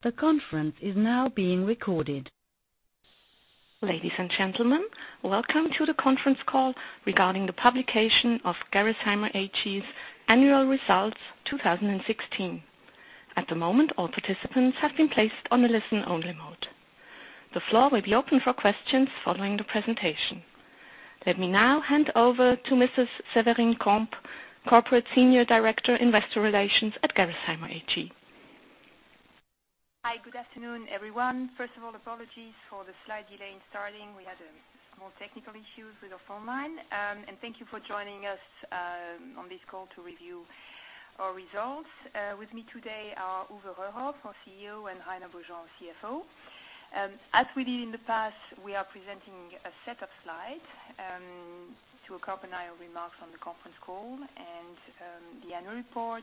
The conference is now being recorded. Ladies and gentlemen, welcome to the conference call regarding the publication of Gerresheimer AG's annual results 2016. At the moment, all participants have been placed on the listen-only mode. The floor will be open for questions following the presentation. Let me now hand over to Mrs. Severine Camp, Corporate Senior Director, Investor Relations at Gerresheimer AG. Hi. Good afternoon, everyone. First of all, apologies for the slight delay in starting. We had small technical issues with our phone line. Thank you for joining us on this call to review our results. With me today are Uwe Röhrhoff, our CEO, and Rainer Beaujean, CFO. As we did in the past, we are presenting a set of slides to accompany our remarks on the conference call and the annual report.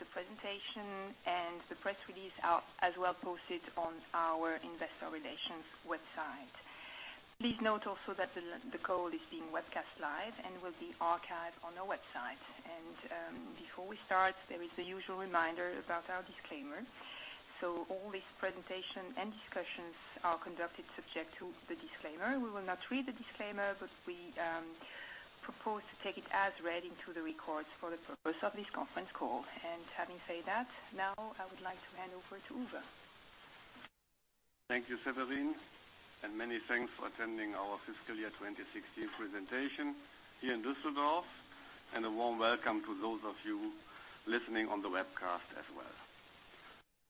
The presentation and the press release are as well posted on our investor relations website. Please note also that the call is being webcast live and will be archived on our website. Before we start, there is the usual reminder about our disclaimer. All this presentation and discussions are conducted subject to the disclaimer. We will not read the disclaimer, we propose to take it as read into the records for the purpose of this conference call. Having said that, now I would like to hand over to Uwe. Thank you, Severine. Many thanks for attending our fiscal year 2016 presentation here in Düsseldorf, a warm welcome to those of you listening on the webcast as well.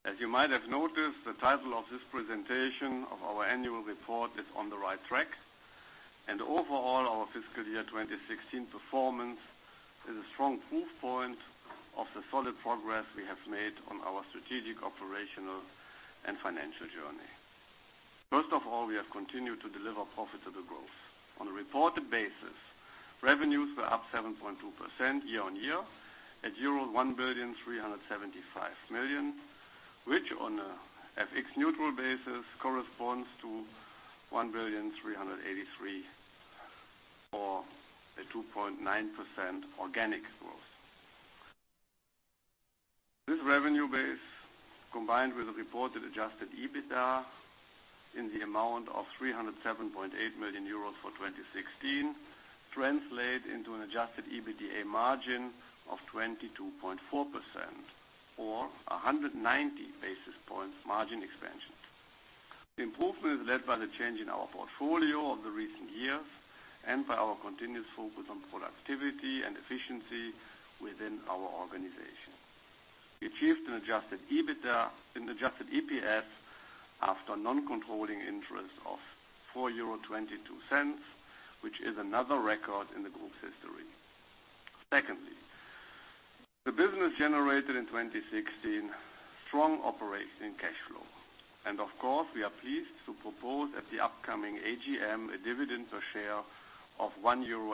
As you might have noticed, the title of this presentation of our annual report is On The Right Track, overall, our fiscal year 2016 performance is a strong proof point of the solid progress we have made on our strategic, operational, and financial journey. First of all, we have continued to deliver profitable growth. On a reported basis, revenues were up 7.2% year-on-year at euro 1,375,000,000, which on a FX neutral basis corresponds to 1,383,000,000, or a 2.9% organic growth. This revenue base, combined with a reported adjusted EBITDA in the amount of 307.8 million euros for 2016, translate into an adjusted EBITDA margin of 22.4%, or 190 basis points margin expansion. The improvement is led by the change in our portfolio of the recent years and by our continuous focus on productivity and efficiency within our organization. We achieved an adjusted EPS after non-controlling interest of 4.22 euro, which is another record in the group's history. Secondly, the business generated in 2016 strong operating cash flow. Of course, we are pleased to propose at the upcoming AGM a dividend per share of 1.05 euro.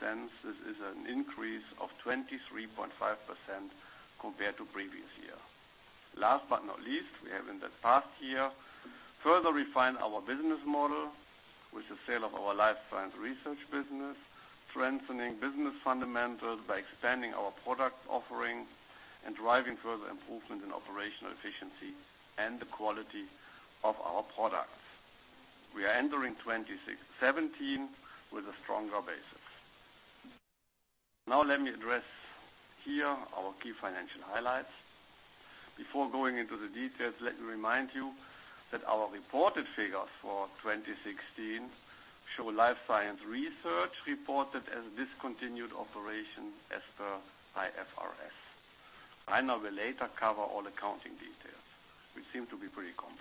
This is an increase of 23.5% compared to previous year. Last but not least, we have in the past year further refined our business model with the sale of our Life Science Research business, strengthening business fundamentals by expanding our product offering and driving further improvement in operational efficiency and the quality of our products. We are entering 2017 with a stronger basis. Let me address here our key financial highlights. Before going into the details, let me remind you that our reported figures for 2016 show Life Science Research reported as discontinued operation as per IFRS. Rainer will later cover all accounting details, which seem to be pretty complex.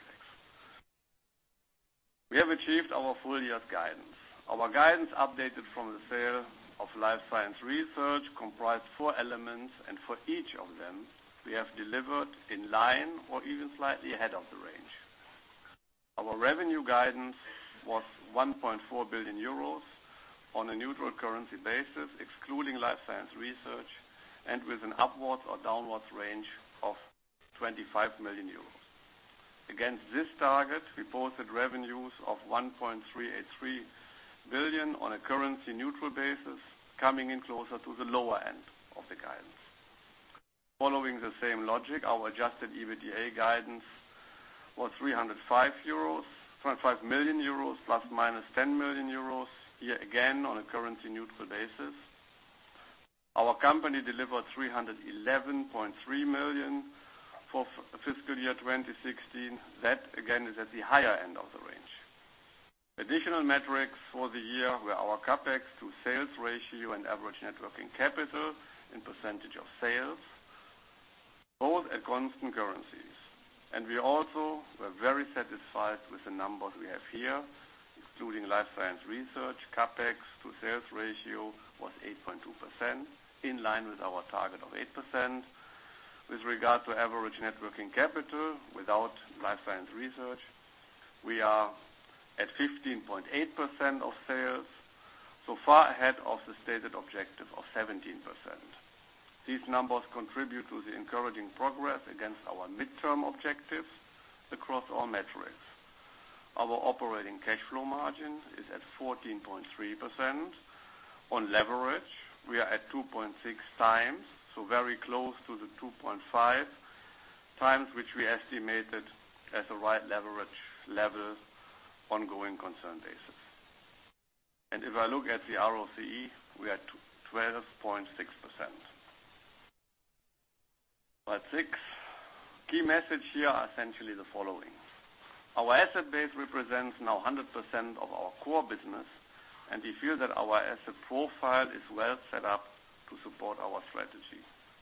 We have achieved our full-year guidance. Our guidance updated from the sale of Life Science Research comprised four elements, and for each of them, we have delivered in line or even slightly ahead of the range. Our revenue guidance was 1.4 billion euros on a neutral currency basis, excluding Life Science Research, and with an upwards or downwards range of 25 million euros. Against this target, we posted revenues of 1.383 billion on a currency-neutral basis, coming in closer to the lower end of the guidance. Following the same logic, our adjusted EBITDA guidance was 305 million euros, ±10 million euros, here again on a currency-neutral basis. Our company delivered 311.3 million for fiscal year 2016. That, again, is at the higher end of the range. Additional metrics for the year were our CapEx to sales ratio and average net working capital in percentage of sales, both at constant currencies. We also were very satisfied with the numbers we have here, excluding Life Science Research. CapEx to sales ratio was 8.2%, in line with our target of 8%. With regard to average net working capital, without Life Science Research, we are at 15.8% of sales, so far ahead of the stated objective of 17%. These numbers contribute to the encouraging progress against our midterm objectives across all metrics. Our operating cash flow margin is at 14.3%. On leverage, we are at 2.6 times, so very close to the 2.5 times, which we estimated as the right leverage level on going concern basis. If I look at the ROCE, we are at 12.6%. Slide six. Key message here are essentially the following. Our asset base represents now 100% of our core business, and we feel that our asset profile is well set up to support our strategy.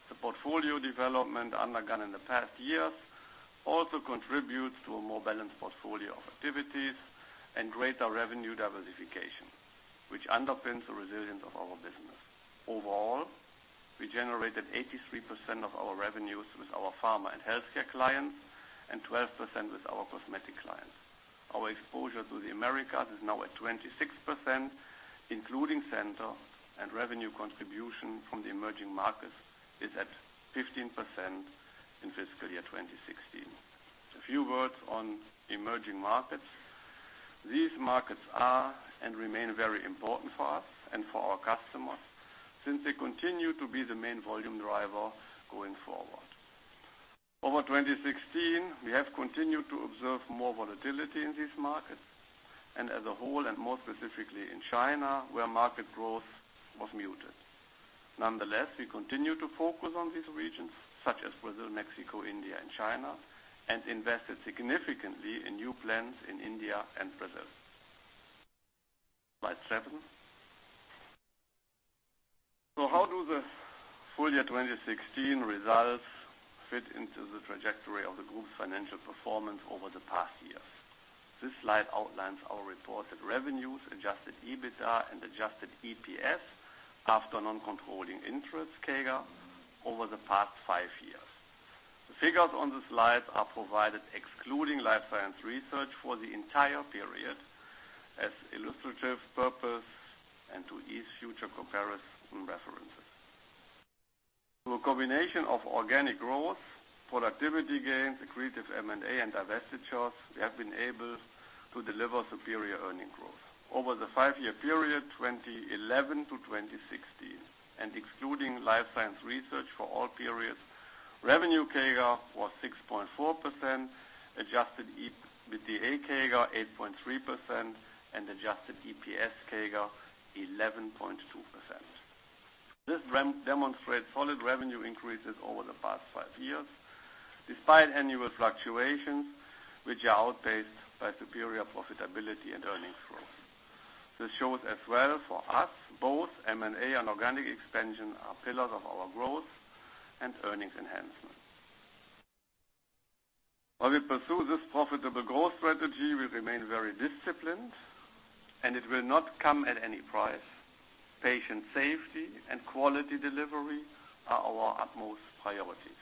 The portfolio development undergone in the past years also contributes to a more balanced portfolio of activities and greater revenue diversification, which underpins the resilience of our business. Overall, we generated 83% of our revenues with our pharma and healthcare clients and 12% with our cosmetic clients. Our exposure to the Americas is now at 26%, including Centor and revenue contribution from the emerging markets is at 15% in fiscal year 2016. A few words on emerging markets. These markets are and remain very important for us and for our customers, since they continue to be the main volume driver going forward. Over 2016, we have continued to observe more volatility in these markets, as a whole, and more specifically in China, where market growth was muted. Nonetheless, we continue to focus on these regions such as Brazil, Mexico, India, and China, and invested significantly in new plants in India and Brazil. Slide seven. How do the full year 2016 results fit into the trajectory of the group's financial performance over the past years? This slide outlines our reported revenues, adjusted EBITDA, and adjusted EPS after non-controlling interest CAGR over the past five years. The figures on the slide are provided excluding Life Science Research for the entire period as illustrative purpose and to ease future comparison references. Through a combination of organic growth, productivity gains, accretive M&A, and divestitures, we have been able to deliver superior earnings growth. Over the five-year period, 2011 to 2016, and excluding Life Science Research for all periods, revenue CAGR was 6.4%, adjusted EBITDA CAGR 8.3%, and adjusted EPS CAGR 11.2%. This demonstrates solid revenue increases over the past five years, despite annual fluctuations, which are outpaced by superior profitability and earnings growth. This shows as well for us, both M&A and organic expansion are pillars of our growth and earnings enhancements. While we pursue this profitable growth strategy, we remain very disciplined, and it will not come at any price. Patient safety and quality delivery are our utmost priorities.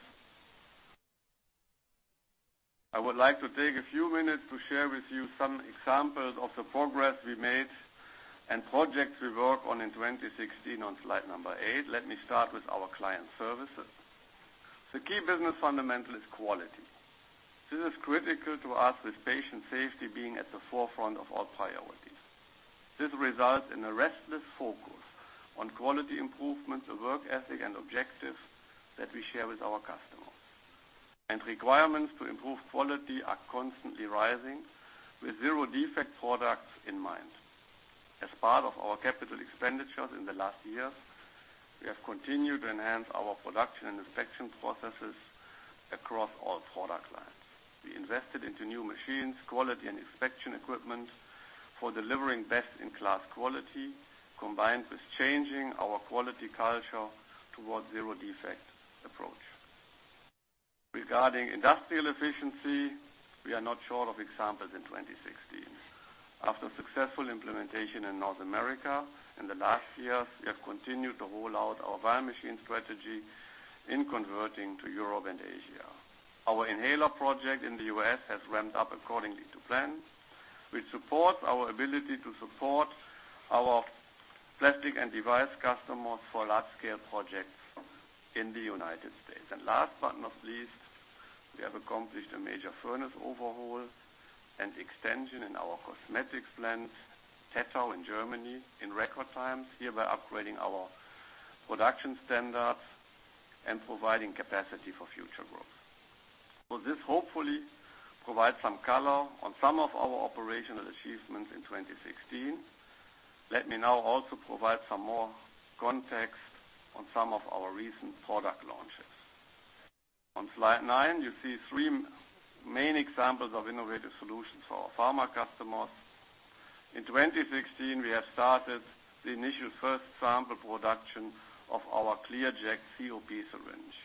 I would like to take a few minutes to share with you some examples of the progress we made and projects we worked on in 2016 on slide number eight. Let me start with our client services. The key business fundamental is quality. This is critical to us with patient safety being at the forefront of all priorities. This results in a restless focus on quality improvement, a work ethic and objective that we share with our customers. Requirements to improve quality are constantly rising with zero-defect products in mind. As part of our capital expenditures in the last years, we have continued to enhance our production and inspection processes across all product lines. We invested into new machines, quality and inspection equipment for delivering best-in-class quality, combined with changing our quality culture towards zero-defect approach. Regarding industrial efficiency, we are not short of examples in 2016. After successful implementation in North America in the last years, we have continued to roll out our bio-machine strategy in converting to Europe and Asia. Our inhaler project in the U.S. has ramped up accordingly to plan. We support our ability to support our plastic and device customers for large-scale projects in the United States. Last but not least, we have accomplished a major furnace overhaul and extension in our cosmetics plant, Tettau in Germany, in record times, hereby upgrading our production standards and providing capacity for future growth. Will this hopefully provide some color on some of our operational achievements in 2016? Let me now also provide some more context on some of our recent product launches. On slide nine, you see three main examples of innovative solutions for our pharma customers. In 2016, we have started the initial first sample production of our ClearJect COP syringe.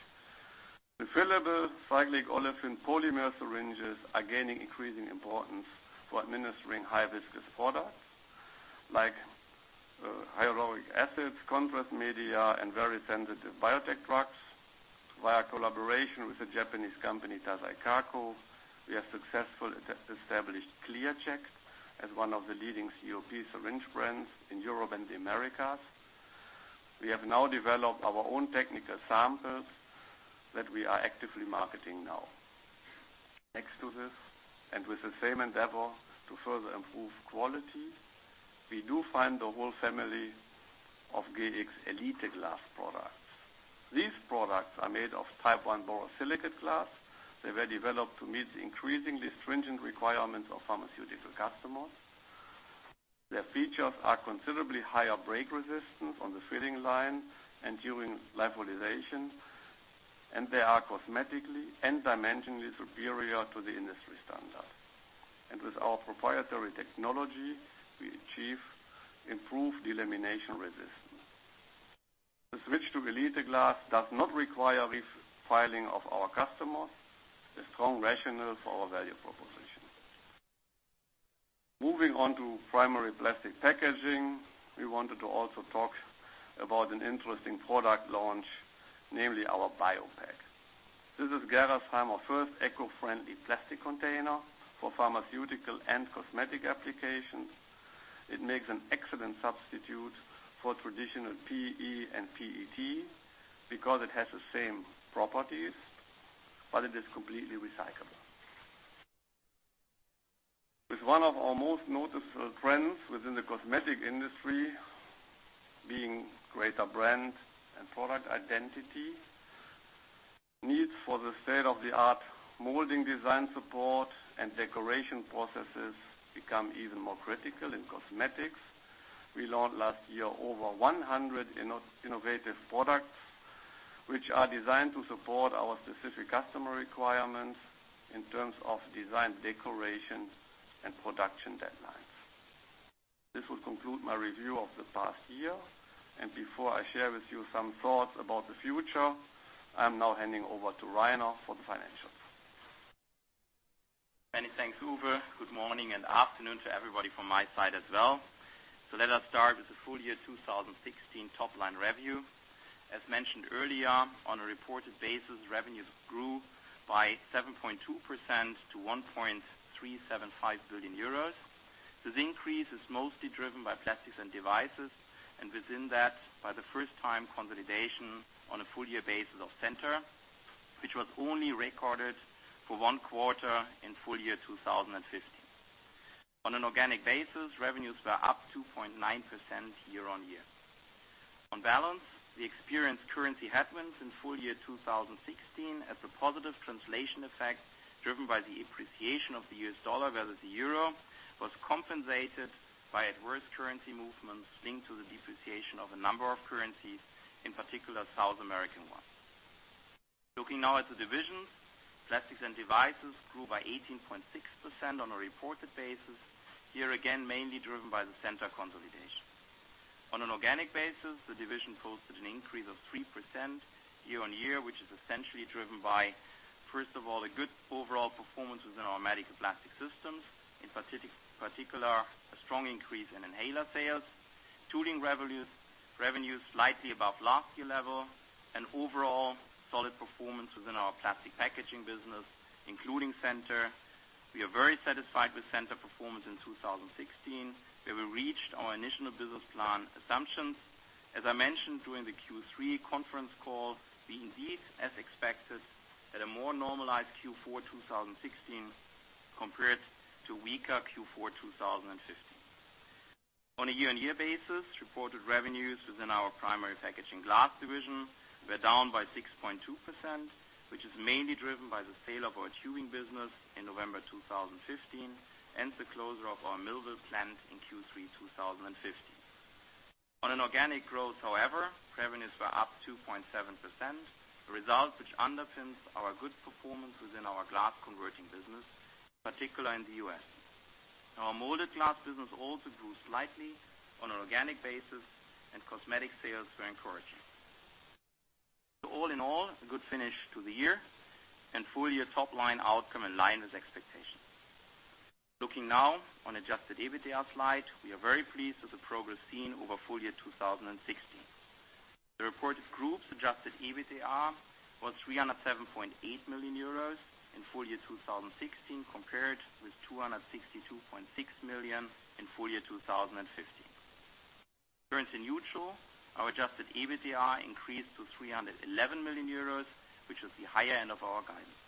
The fillable cyclic olefin polymer syringes are gaining increasing importance for administering high viscous products like hyaluronic acids, contrast media, and very sensitive biotech drugs. Via collaboration with a Japanese company, Taisei Kako, we have successfully established ClearJect as one of the leading COP syringe brands in Europe and the Americas. We have now developed our own technical samples that we are actively marketing now. Next to this, and with the same endeavor to further improve quality, we do find the whole family of Gx Elite Glass products. These products are made of type 1 borosilicate glass. They were developed to meet the increasingly stringent requirements of pharmaceutical customers. Their features are considerably higher break resistance on the filling line and during lyophilization, and they are cosmetically and dimensionally superior to the industry standard. With our proprietary technology, we achieve improved delamination resistance. The switch to Elite glass does not require refiling of our customers. A strong rationale for our value proposition. Moving on to primary plastic packaging, we wanted to also talk about an interesting product launch, namely our BioPack. This is Gerresheimer's first eco-friendly plastic container for pharmaceutical and cosmetic applications. It makes an excellent substitute for traditional PE and PET because it has the same properties, but it is completely recyclable. With one of our most noticeable trends within the cosmetic industry being greater brand and product identity, needs for the state-of-the-art molding design support and decoration processes become even more critical in cosmetics. We launched last year over 100 innovative products, which are designed to support our specific customer requirements in terms of design decoration and production deadlines. This will conclude my review of the past year, and before I share with you some thoughts about the future, I am now handing over to Rainer for the financials. Many thanks, Uwe. Good morning and afternoon to everybody from my side as well. Let us start with the full year 2016 top-line review. As mentioned earlier, on a reported basis, revenues grew by 7.2% to 1.375 billion euros. This increase is mostly driven by Plastics and Devices, and within that, by the first time, consolidation on a full year basis of Centor, which was only recorded for one quarter in full year 2015. On an organic basis, revenues were up 2.9% year-on-year. On balance, the experienced currency headwinds in full year 2016 as a positive translation effect, driven by the appreciation of the U.S. dollar versus the euro, was compensated by adverse currency movements linked to the depreciation of a number of currencies, in particular South American ones. Looking now at the divisions, Plastics and Devices grew by 18.6% on a reported basis. Here again, mainly driven by the Centor consolidation. On an organic basis, the division posted an increase of 3% year-on-year, which is essentially driven by, first of all, a good overall performance within our medical plastic systems, in particular, a strong increase in inhaler sales, tooling revenues slightly above last year level, and overall solid performance within our plastic packaging business, including Centor. We are very satisfied with Centor performance in 2016, where we reached our initial business plan assumptions. As I mentioned during the Q3 conference call, we indeed, as expected, had a more normalized Q4 2016 compared to weaker Q4 2015. On a year-on-year basis, reported revenues within our Primary Packaging Glass division were down by 6.2%, which is mainly driven by the sale of our tooling business in November 2015 and the closure of our Millville plant in Q3 2015. On an organic growth, revenues were up 2.7%, a result which underpins our good performance within our glass converting business, particularly in the U.S. Our molded glass business also grew slightly on an organic basis, cosmetic sales were encouraging. All in all, a good finish to the year and full year top line outcome in line with expectations. Looking now on adjusted EBITDA slide. We are very pleased with the progress seen over full year 2016. The reported group's adjusted EBITDA was €307.8 million in full year 2016, compared with 262.6 million in full year 2015. Currency neutral, our adjusted EBITDA increased to €311 million, which is the higher end of our guidance.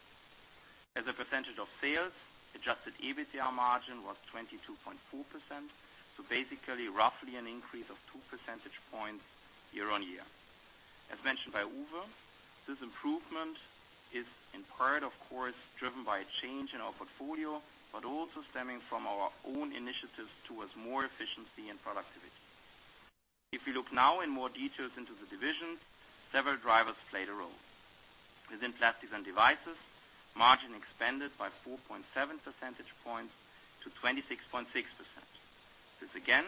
As a percentage of sales, adjusted EBITDA margin was 22.4%, basically roughly an increase of two percentage points year on year. As mentioned by Uwe, this improvement is in part, of course, driven by a change in our portfolio, also stemming from our own initiatives towards more efficiency and productivity. If you look now in more details into the divisions, several drivers played a role. Within Plastics and Devices, margin expanded by 4.7 percentage points to 26.6%. This, again,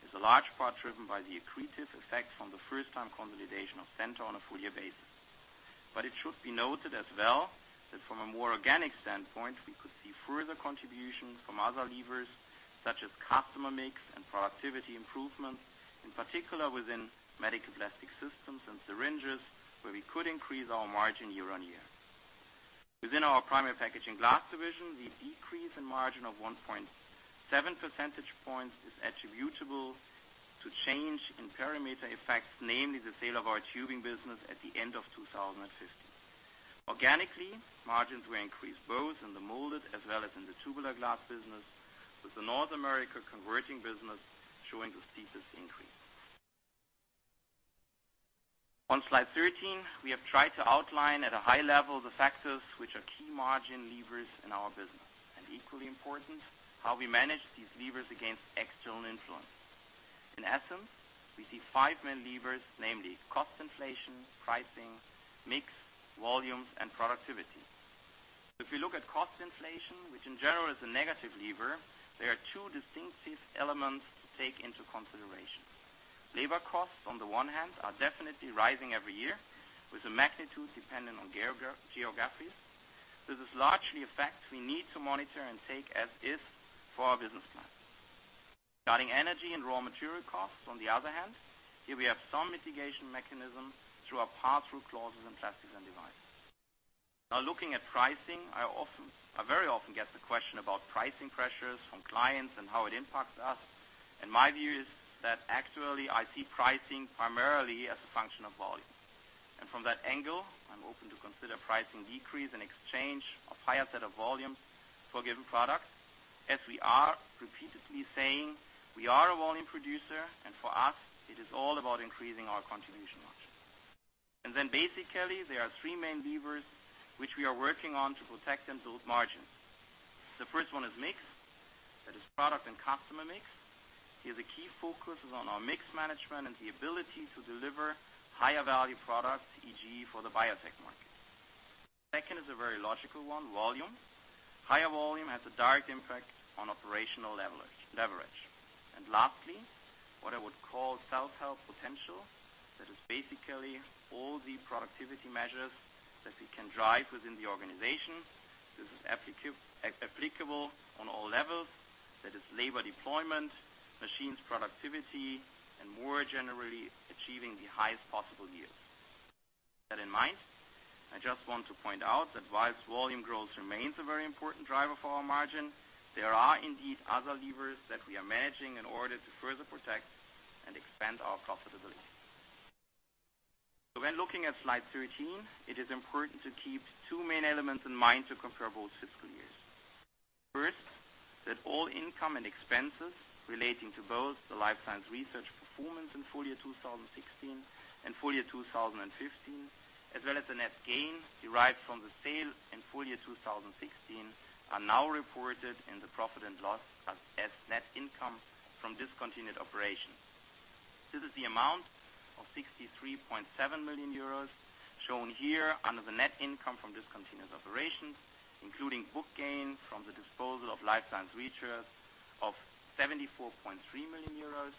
is a large part driven by the accretive effect from the first time consolidation of Centor on a full year basis. It should be noted as well that from a more organic standpoint, we could see further contributions from other levers, such as customer mix and productivity improvements, in particular within medical plastic systems and syringes, where we could increase our margin year on year. Within our Primary Packaging Glass division, the decrease in margin of 1.7 percentage points is attributable to change in perimeter effects, namely the sale of our tubing business at the end of 2015. Organically, margins were increased both in the molded as well as in the tubular glass business, with the North America converting business showing the steepest increase. On slide 13, we have tried to outline at a high level the factors which are key margin levers in our business, equally important, how we manage these levers against external influence. In essence, we see five main levers, namely cost inflation, pricing, mix, volume, and productivity. If you look at cost inflation, which in general is a negative lever, there are two distinctive elements to take into consideration. Labor costs, on the one hand, are definitely rising every year with the magnitude dependent on geographies. This is largely a fact we need to monitor and take as is for our business plan. Regarding energy and raw material costs, on the other hand, here we have some mitigation mechanism through our pass-through clauses in Plastics and Devices. Now looking at pricing, I very often get the question about pricing pressures from clients and how it impacts us. My view is that actually, I see pricing primarily as a function of volume. From that angle, I'm open to consider pricing decrease in exchange of higher set of volumes for a given product. As we are repeatedly saying, we are a volume producer, for us, it is all about increasing our contribution margin. Basically, there are three main levers which we are working on to protect and build margin. The first one is mix. That is product and customer mix. Here, the key focus is on our mix management and the ability to deliver higher value products, e.g., for the biotech market. Second is a very logical one, volume. Higher volume has a direct impact on operational leverage. Lastly, what I would call self-help potential. That is basically all the productivity measures that we can drive within the organization. This is applicable on all levels. That is labor deployment, machines productivity, and more generally, achieving the highest possible yield. With that in mind, I just want to point out that whilst volume growth remains a very important driver for our margin, there are indeed other levers that we are managing in order to further protect and expand our profitability. When looking at slide 13, it is important to keep two main elements in mind to compare both fiscal years. First, that all income and expenses relating to both the Life Science Research performance in full year 2016 and full year 2015, as well as the net gain derived from the sale in full year 2016, are now reported in the profit and loss as net income from discontinued operations. This is the amount of 63.7 million euros shown here under the net income from discontinued operations, including book gains from the disposal of Life Science Research of 74.3 million euros,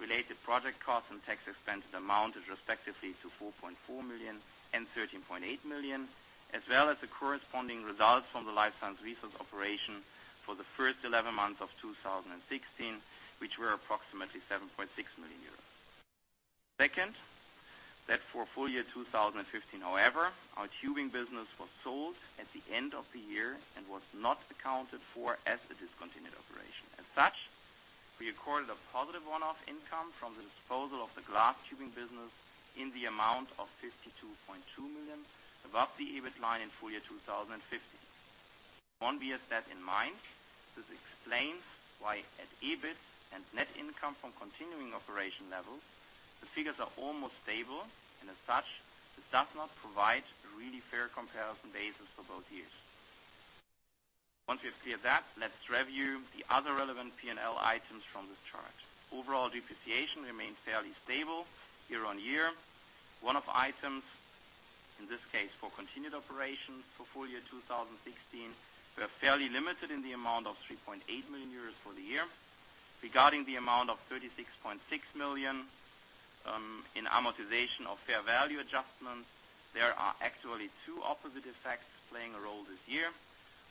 related project costs and tax expenses amounted respectively to 4.4 million and 13.8 million, as well as the corresponding results from the Life Science Research operation for the first 11 months of 2016, which were approximately 7.6 million euros. Second, that for full year 2015, however, our tubing business was sold at the end of the year and was not accounted for as a discontinued operation. As such, we recorded a positive one-off income from the disposal of the glass tubing business in the amount of 52.2 million above the EBIT line in full year 2015. One bears that in mind, this explains why at EBIT and net income from continuing operation levels, the figures are almost stable and as such, it does not provide a really fair comparison basis for both years. Once we have cleared that, let's review the other relevant P&L items from this chart. Overall depreciation remains fairly stable year-over-year. One-off items, in this case, for continued operations for full year 2016, were fairly limited in the amount of 3.8 million euros for the year. Regarding the amount of 36.6 million in amortization of fair value adjustments, there are actually two opposite effects playing a role this year.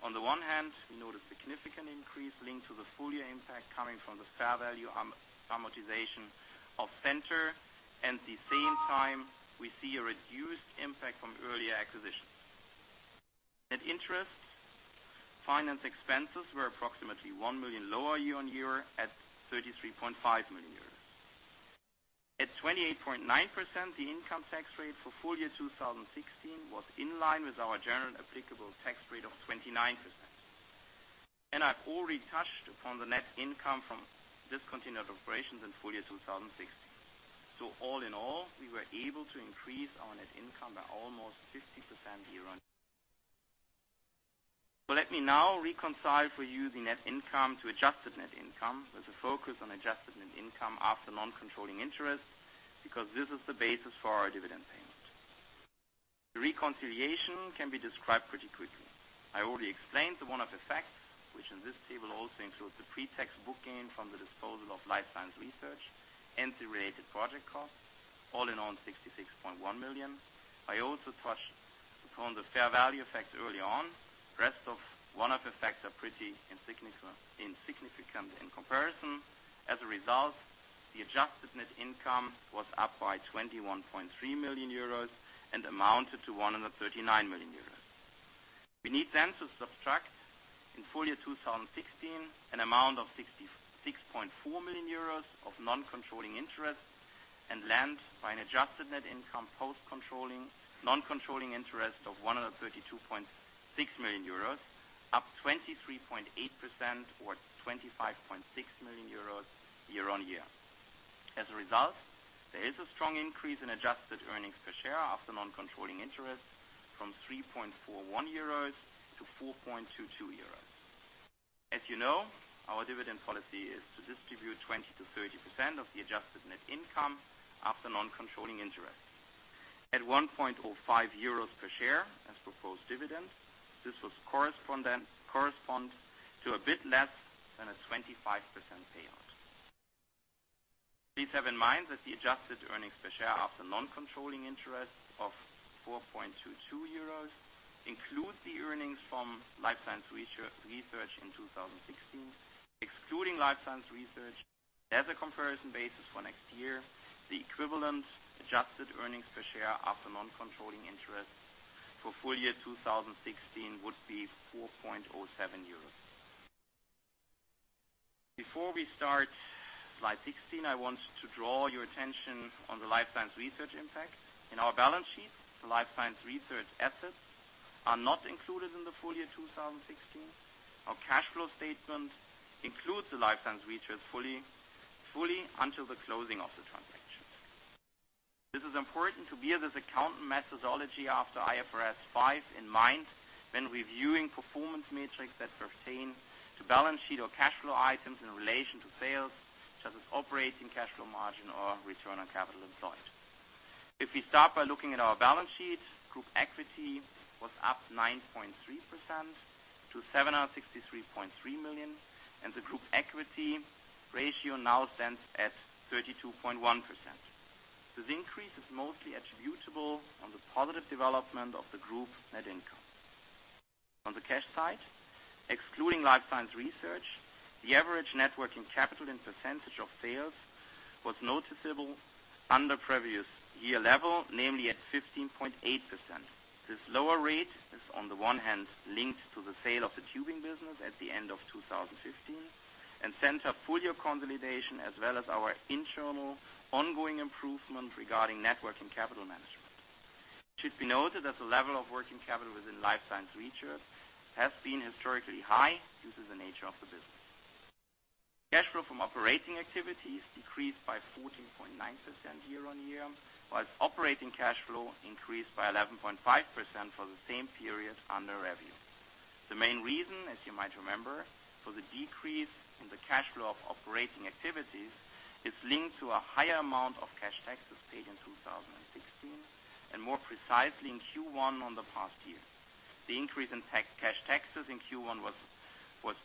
On the one hand, we note a significant increase linked to the full year impact coming from the fair value amortization of Centor, at the same time we see a reduced impact from earlier acquisitions. Net interest, finance expenses were approximately one million lower year-over-year at 33.5 million euros. At 28.9%, the income tax rate for full year 2016 was in line with our general applicable tax rate of 29%. I've already touched upon the net income from discontinued operations in full year 2016. All in all, we were able to increase our net income by almost 50% year-over-year. Let me now reconcile for you the net income to adjusted net income with a focus on adjusted net income after non-controlling interest, because this is the basis for our dividend payment. The reconciliation can be described pretty quickly. I already explained the one-off effects, which in this table also includes the pre-tax book gain from the disposal of Life Science Research and the related project cost, all in all, 66.1 million. I also touched upon the fair value effect early on. One of the effects are pretty insignificant in comparison. As a result, the adjusted net income was up by 21.3 million euros and amounted to 139 million euros. We need then to subtract in full year 2016 an amount of 6.4 million euros of non-controlling interest and land by an adjusted net income post controlling non-controlling interest of 132.6 million euros, up 23.8% or 25.6 million euros year-on-year. As a result, there is a strong increase in adjusted earnings per share after non-controlling interest from 3.41 euros to 4.22 euros. As you know, our dividend policy is to distribute 20% to 30% of the adjusted net income after non-controlling interest. At 1.05 euros per share, as proposed dividends, this was correspond to a bit less than a 25% payout. Please have in mind that the adjusted earnings per share after non-controlling interest of 4.22 euros includes the earnings from Life Science Research in 2016, excluding Life Science Research as a comparison basis for next year. The equivalent adjusted earnings per share after non-controlling interest for full year 2016 would be 4.07 euros. Before we start slide 16, I want to draw your attention on the Life Science Research impact. In our balance sheet, the Life Science Research assets are not included in the full year 2016. Our cash flow statement includes the Life Science Research fully until the closing of the transaction. This is important to bear this accounting methodology after IFRS 5 in mind when reviewing performance metrics that pertain to balance sheet or cash flow items in relation to sales, such as operating cash flow margin or return on capital employed. If we start by looking at our balance sheet, group equity was up 9.3% to 763.3 million and the group equity ratio now stands at 32.1%. This increase is mostly attributable on the positive development of the group net income. On the cash side, excluding Life Science Research, the average net working capital and percentage of sales was noticeable under previous year level, namely at 15.8%. This lower rate is, on the one hand, linked to the sale of the tubing business at the end of 2015 and Centor full-year consolidation as well as our internal ongoing improvement regarding net working capital management. It should be noted that the level of working capital within Life Science Research has been historically high due to the nature of the business. Cash flow from operating activities decreased by 14.9% year-on-year, whilst operating cash flow increased by 11.5% for the same period under review. The main reason, as you might remember, for the decrease in the cash flow of operating activities is linked to a higher amount of cash taxes paid in 2016 and more precisely in Q1 on the past year. The increase in cash taxes in Q1 was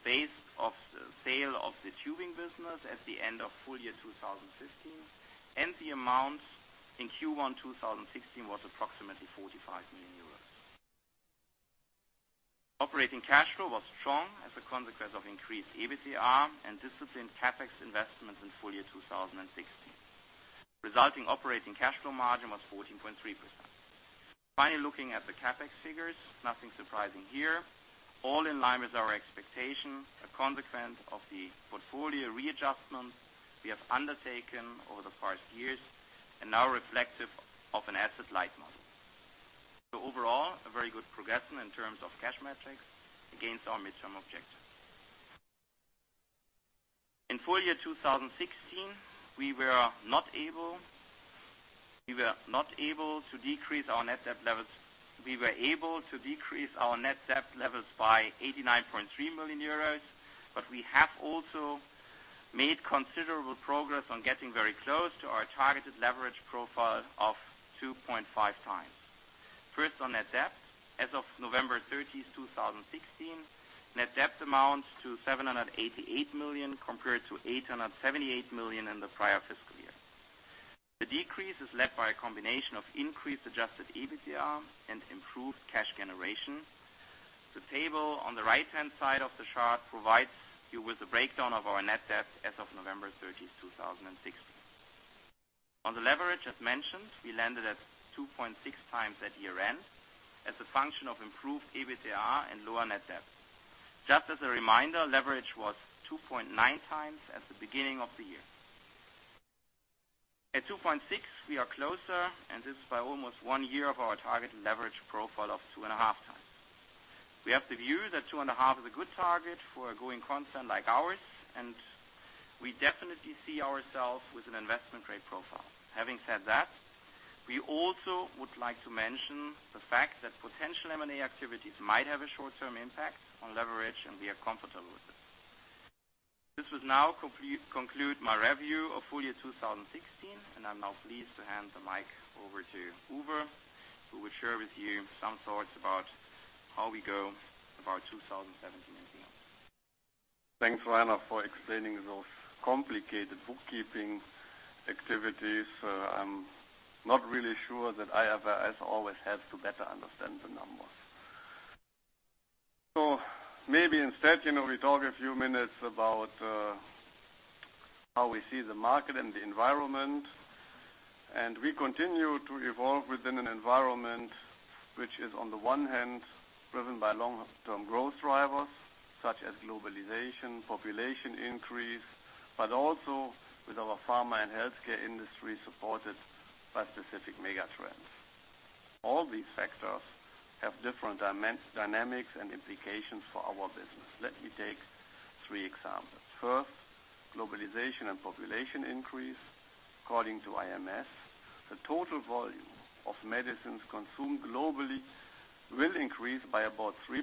based off the sale of the tubing business at the end of full year 2015, and the amount in Q1 2016 was approximately 45 million euros. Operating cash flow was strong as a consequence of increased EBITDA and disciplined CapEx investments in full year 2016. Resulting operating cash flow margin was 14.3%. Looking at the CapEx figures, nothing surprising here. All in line with our expectation, a consequence of the portfolio readjustment we have undertaken over the past years and now reflective of an asset-light model. Overall, a very good progression in terms of cash metrics against our midterm objectives. In full year 2016, we were able to decrease our net debt levels by 89.3 million euros. We have also made considerable progress on getting very close to our targeted leverage profile of 2.5 times. First on net debt, as of November 30th, 2016, net debt amounts to 788 million compared to 878 million in the prior fiscal year. The decrease is led by a combination of increased adjusted EBITDA and improved cash generation. The table on the right-hand side of the chart provides you with a breakdown of our net debt as of November 30th, 2016. On the leverage, as mentioned, we landed at 2.6 times at year-end as a function of improved EBITDA and lower net debt. Just as a reminder, leverage was 2.9 times at the beginning of the year. At 2.6, we are closer, and this is by almost one year of our targeted leverage profile of two and a half times. We have the view that two and a half is a good target for a growing concern like ours. We definitely see ourselves with an investment grade profile. Having said that, we also would like to mention the fact that potential M&A activities might have a short-term impact on leverage. We are comfortable with it. This would now conclude my review of full year 2016. I'm now pleased to hand the mic over to Uwe, who will share with you some thoughts about how we go about 2017. Thanks, Rainer, for explaining those complicated bookkeeping activities. I'm not really sure that I ever, as always, have to better understand the numbers. Maybe instead, we talk a few minutes about how we see the market and the environment. We continue to evolve within an environment, which is, on the one hand, driven by long-term growth drivers such as globalization, population increase, but also with our pharma and healthcare industry supported by specific mega trends. All these factors have different dynamics and implications for our business. Let me take three examples. First, globalization and population increase. According to IMS, the total volume of medicines consumed globally will increase by about 3%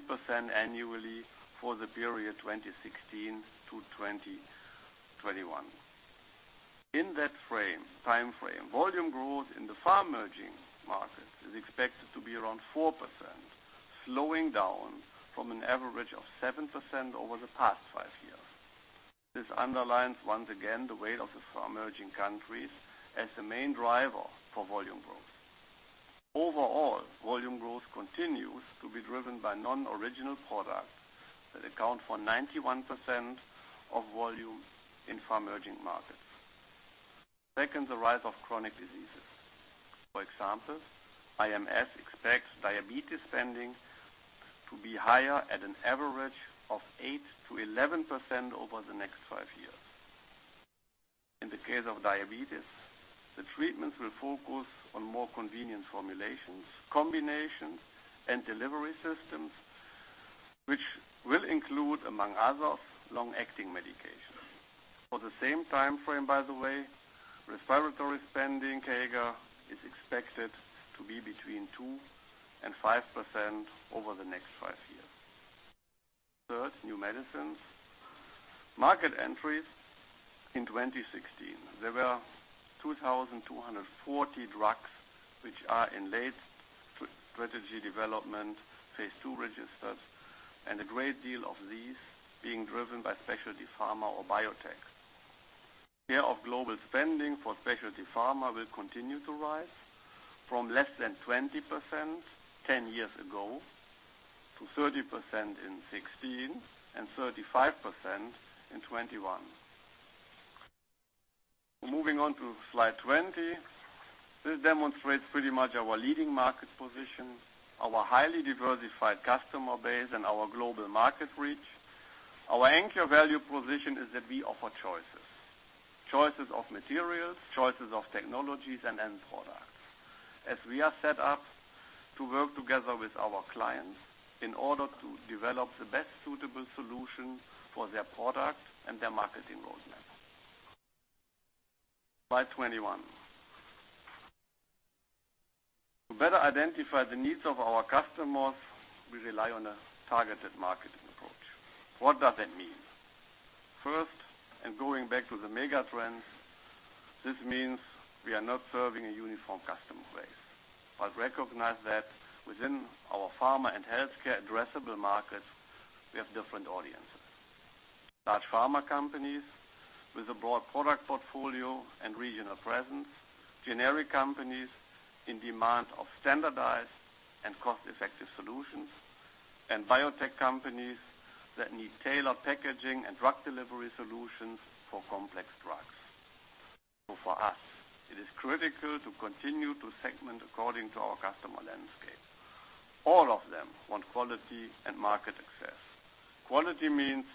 annually for the period 2016 to 2021. In that timeframe, volume growth in the pharmerging market is expected to be around 4%, slowing down from an average of 7% over the past five years. This underlines, once again, the weight of the emerging countries as the main driver for volume growth. Overall, volume growth continues to be driven by non-original products that account for 91% of volume in pharmerging markets. Second, the rise of chronic diseases. For example, IMS expects diabetes spending to be higher at an average of 8%-11% over the next five years. In the case of diabetes, the treatments will focus on more convenient formulations, combinations, and delivery systems, which will include, among others, long-acting medications. For the same timeframe, by the way, respiratory spending CAGR is expected to be between 2%-5% over the next five years. Third, new medicines. Market entries in 2016. There were 2,240 drugs which are in late-stage development, phase II registers, and a great deal of these being driven by specialty pharma or biotech. Share of global spending for specialty pharma will continue to rise from less than 20% 10 years ago to 30% in 2016 and 35% in 2021. Moving on to slide 20. This demonstrates pretty much our leading market position, our highly diversified customer base, and our global market reach. Our anchor value position is that we offer choices. Choices of materials, choices of technologies and end products. As we are set up to work together with our clients in order to develop the best suitable solution for their product and their marketing roadmap. Slide 21. To better identify the needs of our customers, we rely on a targeted marketing approach. What does that mean? First, going back to the mega trends, this means we are not serving a uniform customer base, but recognize that within our pharma and healthcare addressable markets, we have different audiences. Large pharma companies with a broad product portfolio and regional presence, generic companies in demand of standardized and cost-effective solutions, and biotech companies that need tailored packaging and drug delivery solutions for complex drugs. For us, it is critical to continue to segment according to our customer landscape. All of them want quality and market access. Quality means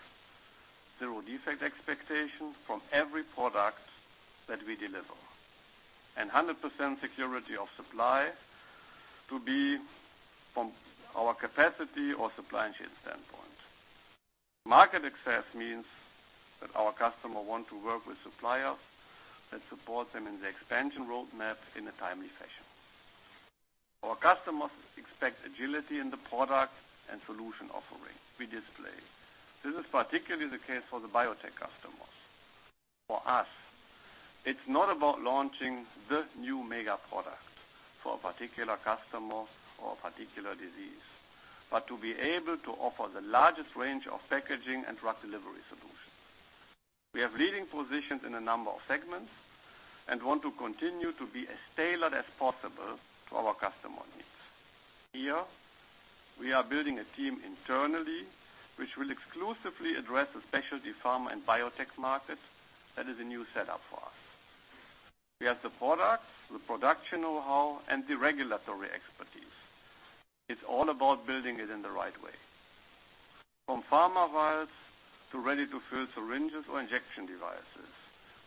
zero defect expectations from every product that we deliver, and 100% security of supply to be from our capacity or supply chain standpoint. Market access means that our customer want to work with suppliers that support them in the expansion roadmap in a timely fashion. Our customers expect agility in the product and solution offering we display. This is particularly the case for the biotech customers. For us, it's not about launching the new mega product for a particular customer or a particular disease, but to be able to offer the largest range of packaging and drug delivery solutions. We have leading positions in a number of segments and want to continue to be as tailored as possible to our customer needs. Here, we are building a team internally, which will exclusively address the specialty pharma and biotech markets. That is a new setup for us. We have the products, the production know-how, and the regulatory expertise. It's all about building it in the right way. From pharma vials to ready-to-fill syringes or injection devices,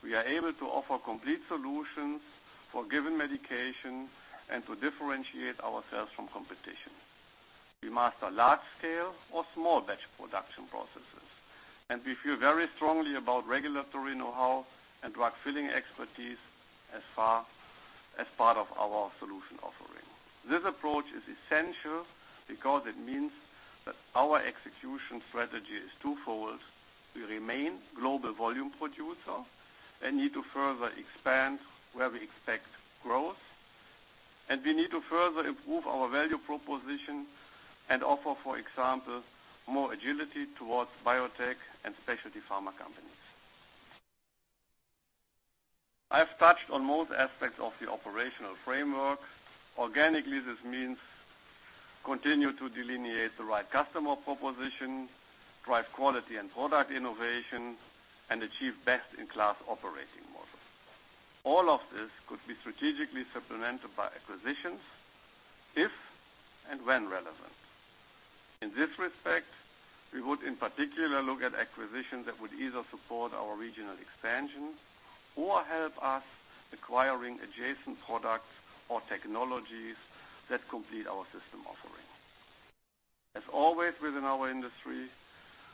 we are able to offer complete solutions for given medication and to differentiate ourselves from competition. We master large scale or small batch production processes. We feel very strongly about regulatory know-how and drug filling expertise as part of our solution offering. This approach is essential because it means that our execution strategy is twofold. We remain global volume producer and need to further expand where we expect growth. We need to further improve our value proposition and offer, for example, more agility towards biotech and specialty pharma companies. I have touched on most aspects of the operational framework. Organically, this means continue to delineate the right customer proposition, drive quality and product innovation, and achieve best-in-class operating model. All of this could be strategically supplemented by acquisitions, if and when relevant. In this respect, we would, in particular, look at acquisitions that would either support our regional expansion or help us acquiring adjacent products or technologies that complete our system offering. As always, within our industry,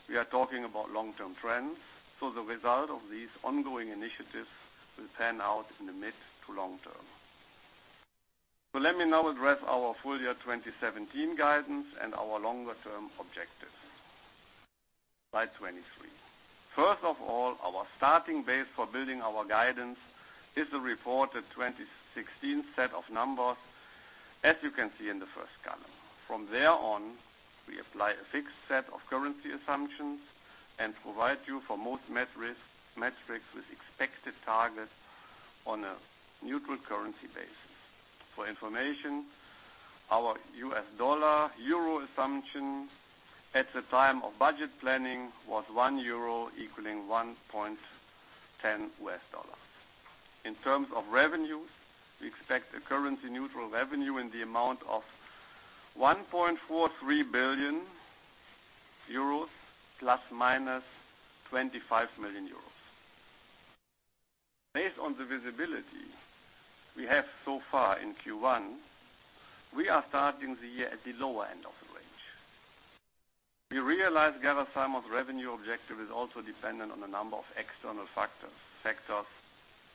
we are talking about long-term trends. The result of these ongoing initiatives will pan out in the mid to long term. Let me now address our full year 2017 guidance and our longer term objectives. Slide 23. First of all, our starting base for building our guidance is the reported 2016 set of numbers, as you can see in the first column. From there on, we apply a fixed set of currency assumptions and provide you for most metrics with expected targets on a neutral currency basis. For information, our US dollar-euro assumption at the time of budget planning was 1 euro equaling $1.10. In terms of revenues, we expect a currency-neutral revenue in the amount of 1.43 billion euros, plus or minus 25 million euros. Based on the visibility we have so far in Q1, we are starting the year at the lower end of the range. We realize Gerresheimer's revenue objective is also dependent on a number of external factors,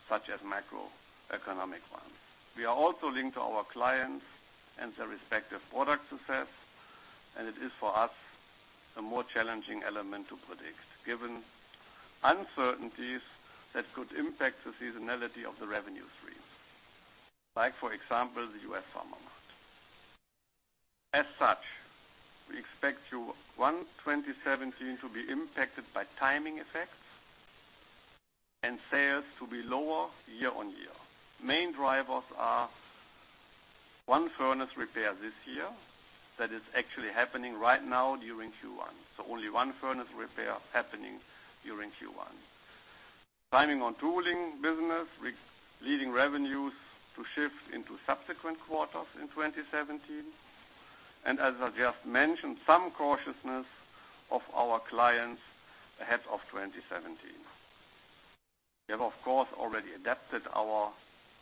such as macroeconomic ones. We are also linked to our clients and their respective product success, and it is, for us, a more challenging element to predict, given uncertainties that could impact the seasonality of the revenue stream. Like, for example, the U.S. pharma market. As such, we expect Q1 2017 to be impacted by timing effects and sales to be lower year-over-year. Main drivers are one furnace repair this year that is actually happening right now during Q1. Only one furnace repair happening during Q1. Timing on tooling business, leading revenues to shift into subsequent quarters in 2017. As I just mentioned, some cautiousness of our clients ahead of 2017. We have, of course, already adapted our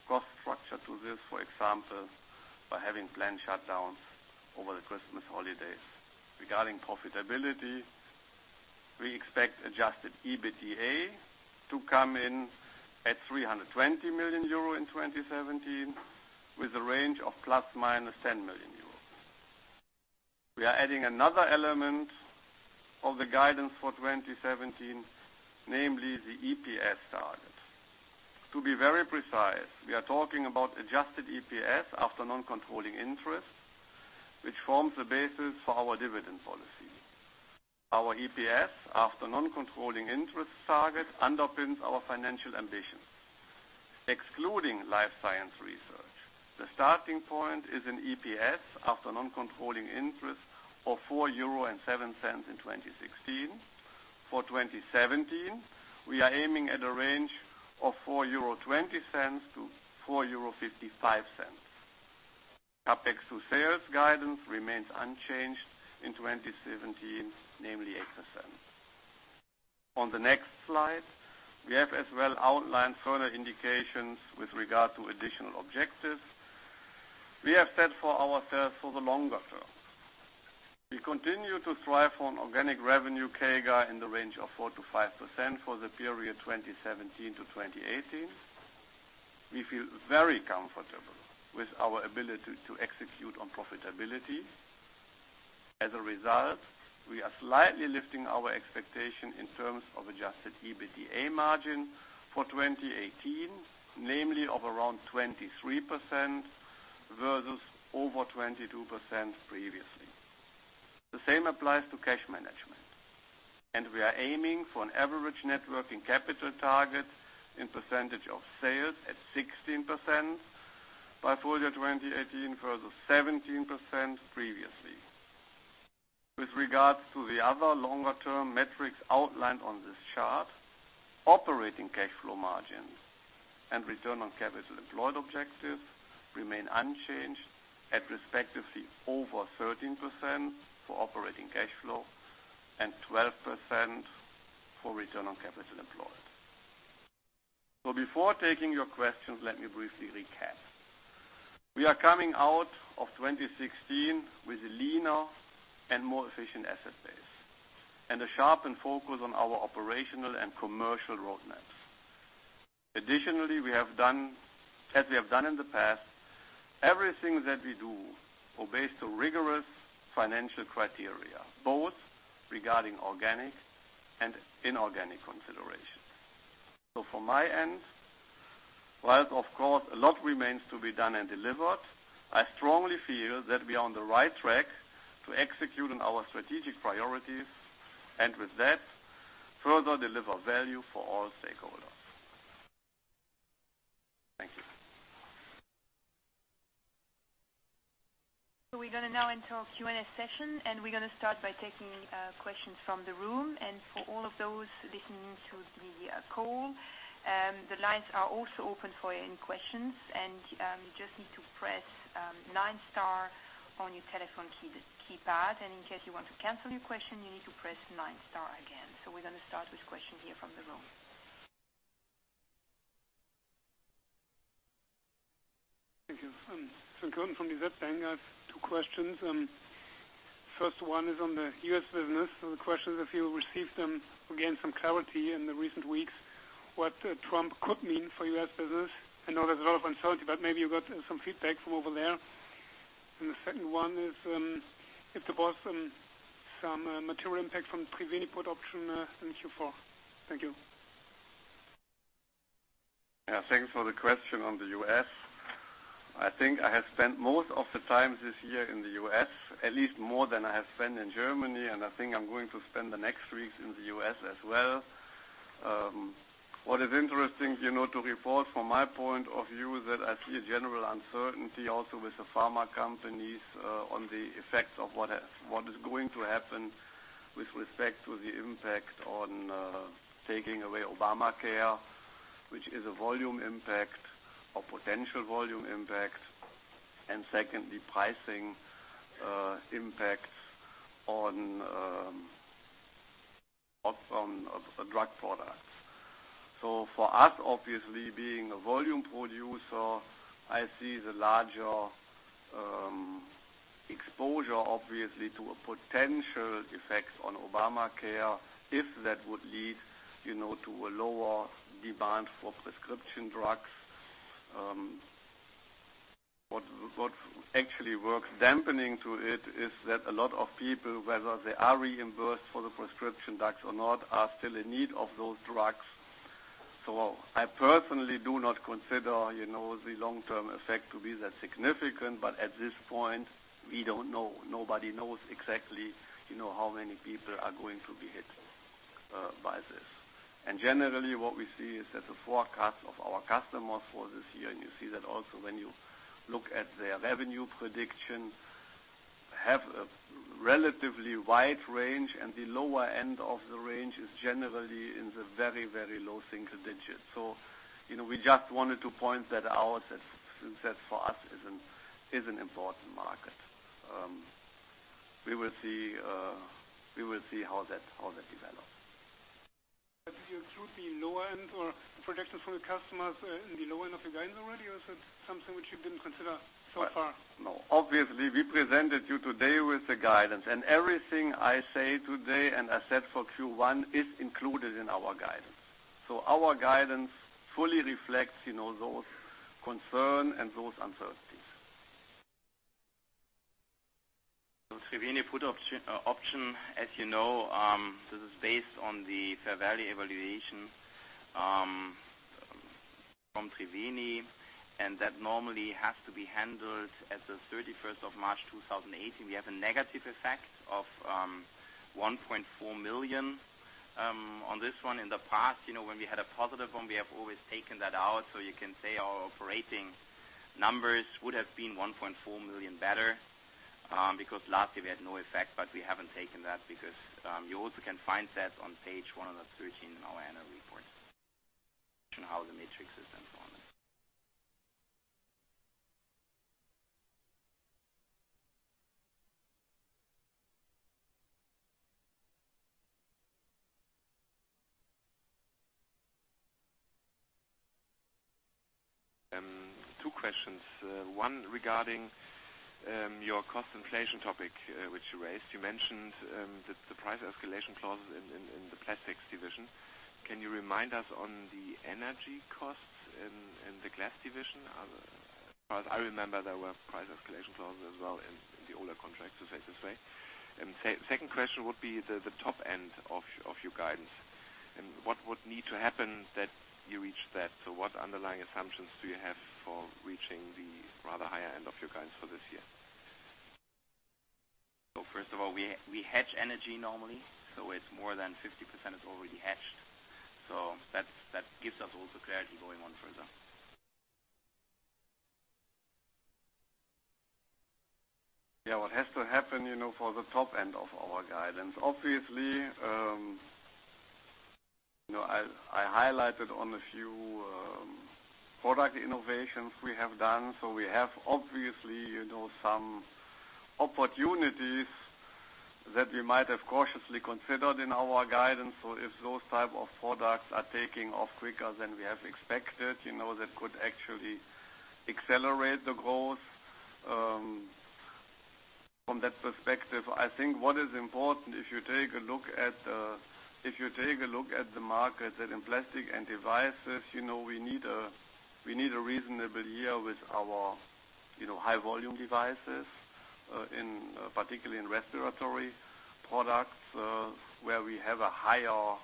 cost structure to this, for example, by having planned shutdowns over the Christmas holidays. Regarding profitability, we expect adjusted EBITDA to come in at 320 million euro in 2017, with a range of plus or minus 10 million euro. We are adding another element of the guidance for 2017, namely the EPS target. To be very precise, we are talking about adjusted EPS after non-controlling interest, which forms the basis for our dividend policy. Our EPS after non-controlling interest target underpins our financial ambitions. Excluding Life Science Research, the starting point is an EPS after non-controlling interest of 4.07 euro in 2016. For 2017, we are aiming at a range of 4.20 euro to 4.55 euro. CapEx to sales guidance remains unchanged in 2017, namely 8%. On the next slide, we have as well outlined further indications with regard to additional objectives we have set for ourselves for the longer term. We continue to thrive on organic revenue CAGR in the range of 4%-5% for the period 2017 to 2018. We feel very comfortable with our ability to execute on profitability. As a result, we are slightly lifting our expectation in terms of adjusted EBITDA margin for 2018, namely of around 23% versus over 22% previously. The same applies to cash management. We are aiming for an average net working capital target in percentage of sales at 16% by full year 2018, versus 17% previously. With regards to the other longer-term metrics outlined on this chart, operating cash flow margins and return on capital employed objectives remain unchanged at respectively over 13% for operating cash flow and 12% for return on capital employed. Before taking your questions, let me briefly recap. We are coming out of 2016 with a leaner and more efficient asset base and a sharpened focus on our operational and commercial roadmaps. Additionally, as we have done in the past, everything that we do obeys to rigorous financial criteria, both regarding organic and inorganic considerations. From my end, whilst of course a lot remains to be done and delivered, I strongly feel that we are on the right track to executing our strategic priorities, and with that, further deliver value for all stakeholders. Thank you. We're going to now enter our Q&A session, and we're going to start by taking questions from the room. For all of those listening to the call, the lines are also open for any questions, and you just need to press nine star on your telephone keypad. In case you want to cancel your question, you need to press nine star again. We're going to start with questions here from the room. Thank you. Sven Kotten from DZ Bank. I have two questions. First one is on the U.S. business. The question is if you received, again, some clarity in the recent weeks, what Trump could mean for U.S. business. I know there's a lot of uncertainty, but maybe you got some feedback from over there. The second one is, if there was some material impact from Triveni put option in Q4. Thank you. Yeah. Thanks for the question on the U.S. I think I have spent most of the time this year in the U.S., at least more than I have spent in Germany. I think I'm going to spend the next weeks in the U.S. as well. What is interesting to report from my point of view is that I see a general uncertainty also with the pharma companies, on the effects of what is going to happen with respect to the impact on taking away Obamacare, which is a volume impact or potential volume impact, and secondly, pricing impacts on a drug product. For us, obviously being a volume producer, I see the larger exposure, obviously, to a potential effect on Obamacare, if that would lead to a lower demand for prescription drugs. What actually works dampening to it is that a lot of people, whether they are reimbursed for the prescription drugs or not, are still in need of those drugs. I personally do not consider the long-term effect to be that significant. At this point, we don't know. Nobody knows exactly how many people are going to be hit by this. Generally, what we see is that the forecast of our customers for this year, and you see that also when you look at their revenue prediction, have a relatively wide range, and the lower end of the range is generally in the very, very low single digits. We just wanted to point that out, that for us is an important market. We will see how that develops. You include the lower end or projections from the customers in the lower end of the guidance already or is it something which you didn't consider so far? No. Obviously, we presented you today with the guidance, and everything I say today and I said for Q1 is included in our guidance. Our guidance fully reflects those concerns and those uncertainties. Triveni put option, as you know, this is based on the fair value evaluation from Triveni, and that normally has to be handled at the 31st of March 2018. We have a negative effect of 1.4 million on this one. In the past, when we had a positive one, we have always taken that out. You can say our operating numbers would have been 1.4 million better, because lastly we had no effect, but we haven't taken that because you also can find that on page 113 in our annual report and how the matrix is and so on. Two questions. One regarding your cost inflation topic, which you raised. You mentioned that the price escalation clauses in the Plastics division. Can you remind us on the energy costs in the Glass division? As I remember, there were price escalation clauses as well in the older contract, to say it this way. Second question would be the top end of your guidance and what would need to happen that you reach that. What underlying assumptions do you have for reaching the rather higher end of your guidance for this year? First of all, we hedge energy normally. It's more than 50% is already hedged. That gives us also clarity going on further. What has to happen for the top end of our guidance. Obviously, I highlighted on a few product innovations we have done. We have obviously some opportunities that we might have cautiously considered in our guidance. If those type of products are taking off quicker than we have expected, that could actually accelerate the growth. From that perspective, I think what is important, if you take a look at the market, that in Plastics and Devices, we need a reasonable year with our high volume devices Particularly in respiratory products, where we have a higher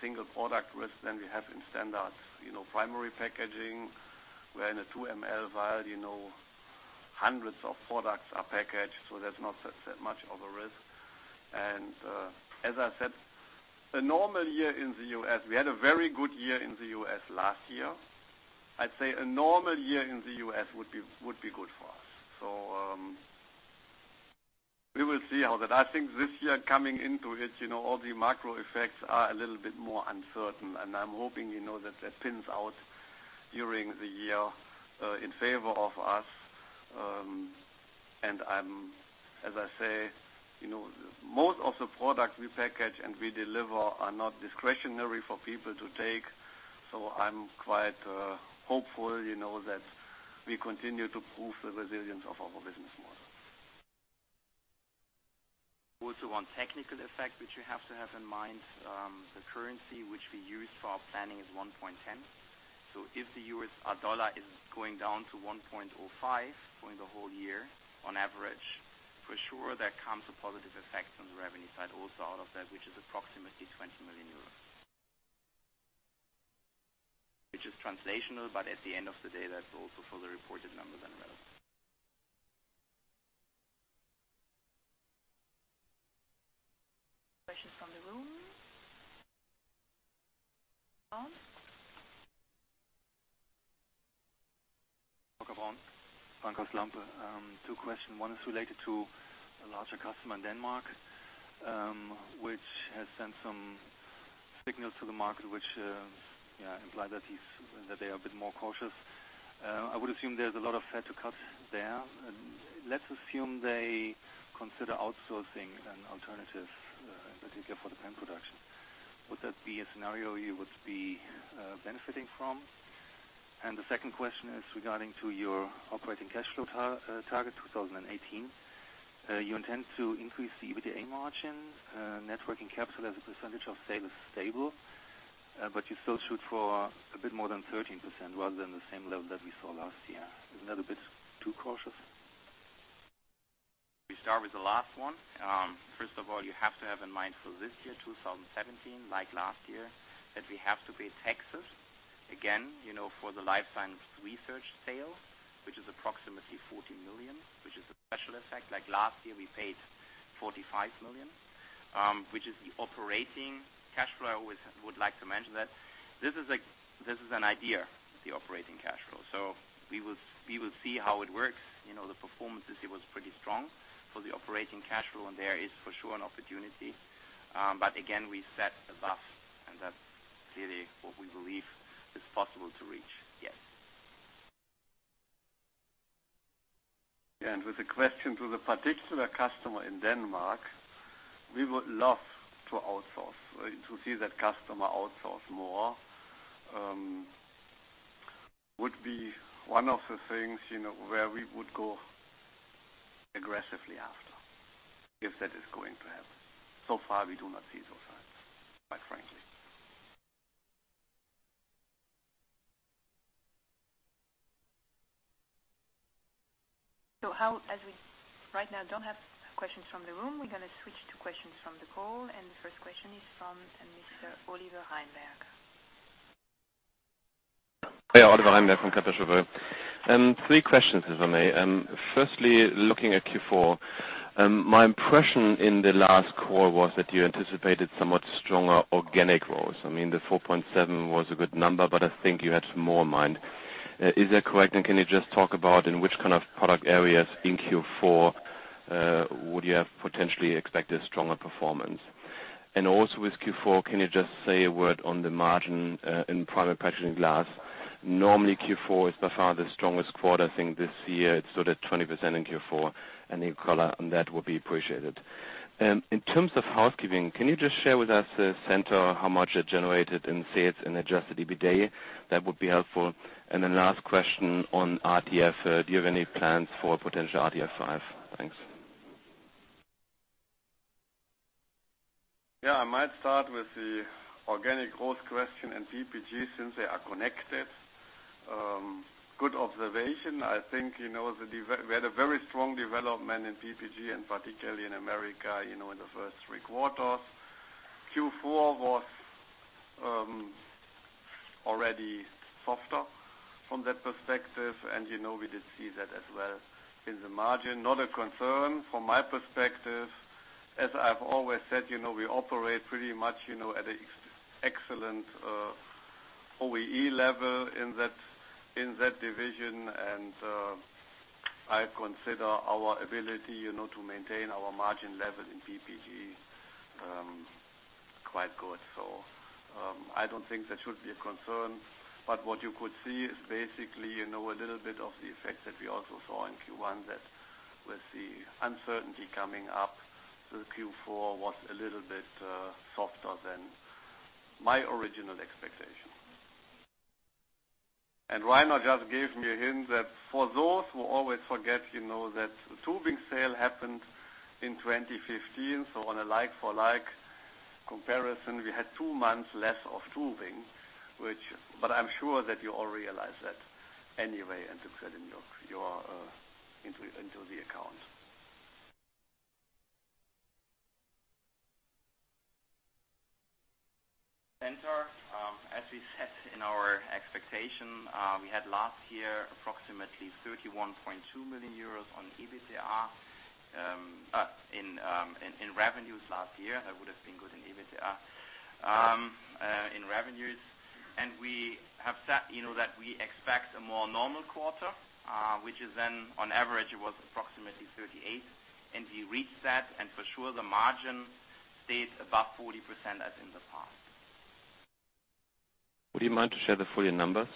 single product risk than we have in standard primary packaging. Where in a 2 ml vial, hundreds of products are packaged, so there's not that much of a risk. As I said, a normal year in the U.S., we had a very good year in the U.S. last year. I'd say a normal year in the U.S. would be good for us. We will see how that. I think this year coming into it, all the macro effects are a little bit more uncertain, and I'm hoping that that thins out during the year in favor of us. As I say, most of the products we package and we deliver are not discretionary for people to take. I'm quite hopeful that we continue to prove the resilience of our business model. One technical effect, which you have to have in mind, the currency which we use for our planning is 1.10. If the U.S. dollar is going down to 1.05 during the whole year on average, for sure, there comes a positive effect on the revenue side also out of that, which is approximately 20 million euros. Which is translational, at the end of the day, that's also for the reported numbers and relevant. Questions from the room. Franz. Franz Lampe. Two question. One is related to a larger customer in Denmark, which has sent some signals to the market, which imply that they are a bit more cautious. I would assume there's a lot of fat to cut there. Let's assume they consider outsourcing an alternative, in particular for the pen production. Would that be a scenario you would be benefiting from? The second question is regarding to your operating cash flow target 2018. You intend to increase the EBITDA margin. Net working capital as a percentage of sale is stable. You still shoot for a bit more than 13% rather than the same level that we saw last year. Isn't that a bit too cautious? We start with the last one. First of all, you have to have in mind for this year, 2017, like last year, that we have to pay taxes again, for the Life Science Research sale, which is approximately 40 million, which is a special effect. Like last year, we paid 45 million, which is the operating cash flow. I always would like to mention that. This is an idea of the operating cash flow. We will see how it works. The performance this year was pretty strong for the operating cash flow, there is for sure an opportunity. Again, we set above, and that's really what we believe is possible to reach. Yes. With the question to the particular customer in Denmark, we would love to outsource. To see that customer outsource more, would be one of the things, where we would go aggressively after, if that is going to happen. So far, we do not see those signs, quite frankly. As we right now don't have questions from the room, we're going to switch to questions from the call, the first question is from Mr. Oliver Heimberg. Yeah. Oliver Heimberg from. Three questions, if I may. Firstly, looking at Q4, my impression in the last call was that you anticipated somewhat stronger organic growth. The 4.7 was a good number, but I think you had more in mind. Is that correct, can you just talk about in which kind of product areas in Q4, would you have potentially expected stronger performance? Also with Q4, can you just say a word on the margin in Primary Packaging Glass? Normally, Q4 is by far the strongest quarter. I think this year it's sort of 20% in Q4. Any color on that would be appreciated. In terms of housekeeping, can you just share with us the Centor, how much it generated in sales and adjusted EBITDA? That would be helpful. Then last question on RTF. Do you have any plans for potential RTF5? Thanks. Yeah, I might start with the organic growth question and PPG since they are connected. Good observation. I think, we had a very strong development in PPG and particularly in America, in the first three quarters. Q4 was already softer from that perspective, and we did see that as well in the margin. Not a concern from my perspective. As I've always said, we operate pretty much, at an excellent OEE level in that division, and I consider our ability to maintain our margin level in PPG, quite good. I don't think that should be a concern, but what you could see is basically, a little bit of the effect that we also saw in Q1 that with the uncertainty coming up, Q4 was a little bit softer than my original expectation. Rainer just gave me a hint that for those who always forget, that the tubing sale happened in 2015. On a like for like comparison, we had two months less of tubing, but I'm sure that you all realize that anyway and took that into account. Centor, as we said in our expectation, we had last year approximately 31.2 million euros on EBITDA in revenues last year. That would have been good in EBITDA, in revenues. We have said that we expect a more normal quarter, which is then on average it was approximately 38 million, and we reached that and for sure the margin stayed above 40% as in the past. Would you mind to share the full year numbers?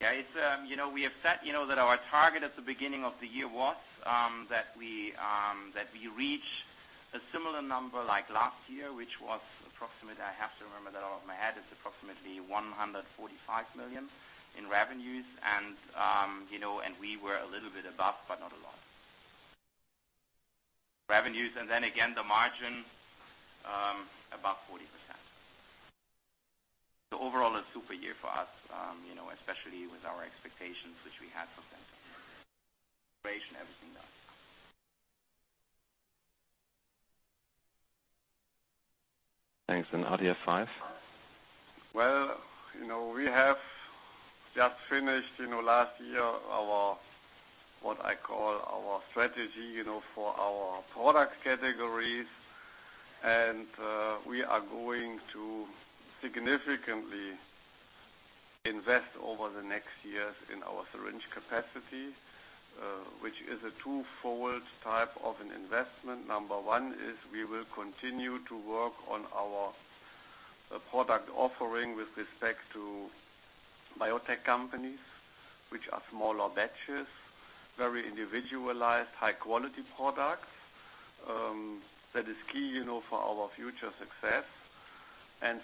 Yeah. We have set that our target at the beginning of the year was that we reach a similar number like last year, which was approximately, I have to remember that all off my head, is approximately 145 million in revenues. We were a little bit above, but not a lot. Revenues and then again, the margin, above 40%. Overall, a super year for us, especially with our expectations, which we had for Centor. Operation, everything done. Thanks. RTF? Well, we have just finished last year our, what I call our strategy, for our product categories. We are going to significantly invest over the next years in our syringe capacity, which is a twofold type of an investment. Number one is we will continue to work on our product offering with respect to biotech companies, which are smaller batches, very individualized, high-quality products. That is key for our future success.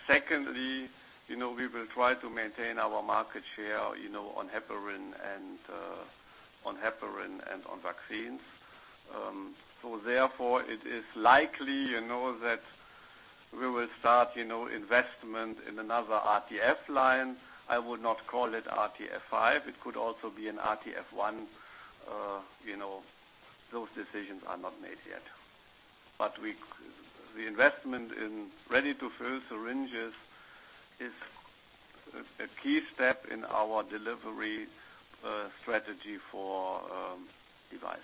Secondly, we will try to maintain our market share on heparin and on vaccines. Therefore, it is likely that we will start investment in another RTF line. I would not call it RTF. It could also be an RTF1. Those decisions are not made yet. The investment in ready-to-fill syringes is a key step in our delivery strategy for devices.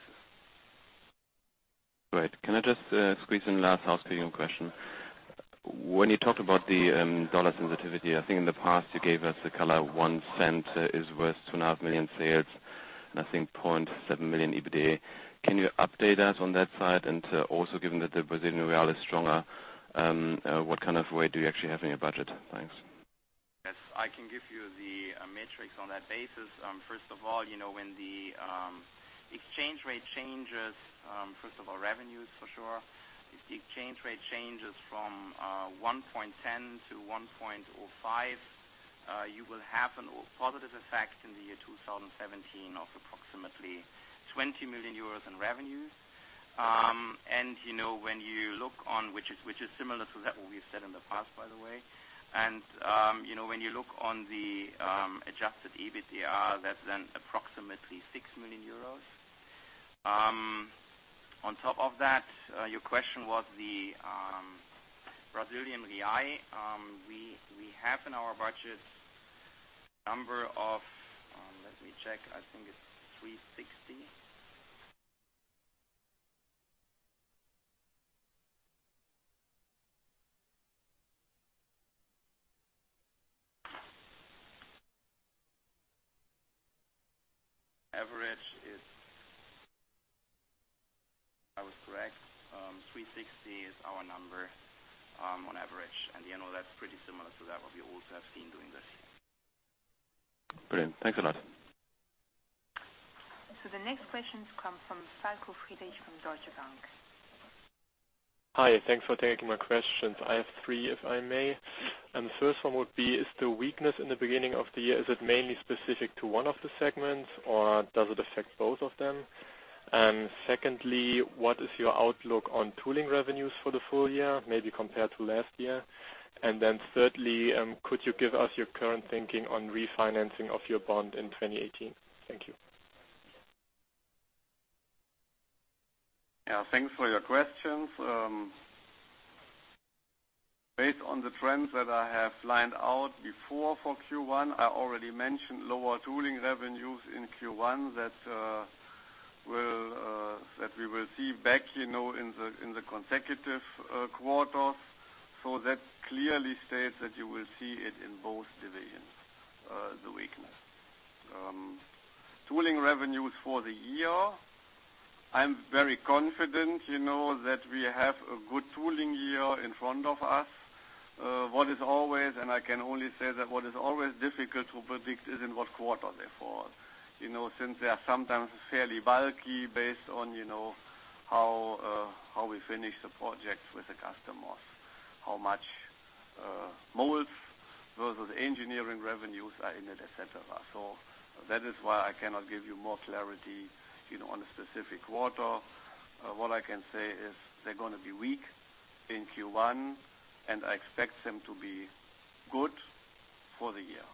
Great. Can I just squeeze in last housekeeping question? When you talk about the dollar sensitivity, I think in the past, you gave us the color $0.01 is worth two and a half million sales, and I think $0.7 million EBITDA. Can you update us on that side? Also given that the Brazilian real is stronger, what kind of weight do you actually have in your budget? Thanks. Yes, I can give you the metrics on that basis. First of all, when the exchange rate changes, revenues for sure. If the exchange rate changes from 1.10 to 1.05, you will have a positive effect in the year 2017 of approximately 20 million euros in revenues. Which is similar to that what we've said in the past, by the way. When you look on the adjusted EBITDA, that's then approximately 6 million euros. On top of that, your question was the Brazilian real. We have in our budget a number of, let me check. I think it's 360. Average is, if I was correct, 360 is our number on average. That's pretty similar to that what we also have seen during this year. Brilliant. Thanks a lot. The next questions come from Falko Fecht from Deutsche Bank. Hi. Thanks for taking my questions. I have three, if I may. The first one would be, is the weakness in the beginning of the year, is it mainly specific to one of the segments or does it affect both of them? Secondly, what is your outlook on tooling revenues for the full year, maybe compared to last year? Thirdly, could you give us your current thinking on refinancing of your bond in 2018? Thank you. Thanks for your questions. Based on the trends that I have lined out before for Q1, I already mentioned lower tooling revenues in Q1 that we will see back in the consecutive quarters. That clearly states that you will see it in both divisions, the weakness. Tooling revenues for the year, I am very confident that we have a good tooling year in front of us. What is always difficult to predict is in what quarter they fall. Since they are sometimes fairly bulky based on how we finish the projects with the customer. How much molds versus engineering revenues are in it, et cetera. That is why I cannot give you more clarity on a specific quarter. What I can say is they are going to be weak in Q1, and I expect them to be good for the year.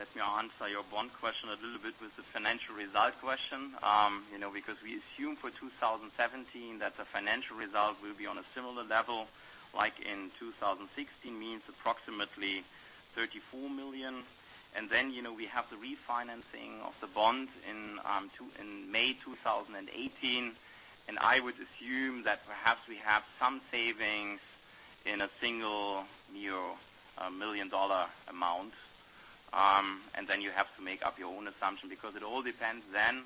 Let me answer your bond question a little bit with the financial result question. We assume for 2017 that the financial result will be on a similar level like in 2016, approximately 34 million. We have the refinancing of the bond in May 2018, and I would assume that perhaps we have some savings in a single million EUR amount. You have to make up your own assumption because it all depends then,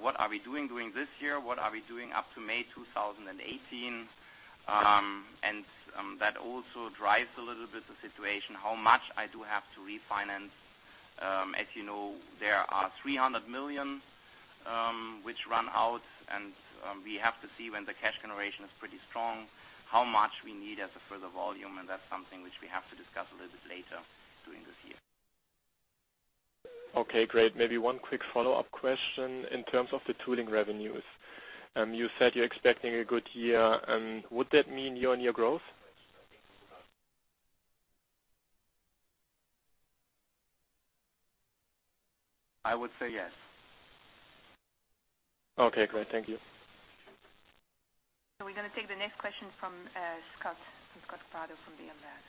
what are we doing during this year? What are we doing up to May 2018? That also drives a little bit the situation, how much I do have to refinance. As you know, there are 300 million which run out, and we have to see when the cash generation is pretty strong, how much we need as a further volume, and that's something which we have to discuss a little bit later during this year. Okay, great. Maybe one quick follow-up question in terms of the tooling revenues. You said you're expecting a good year. Would that mean year-on-year growth? I would say yes. Okay, great. Thank you. We're going to take the next question from Scott Prahl from Bloomberg.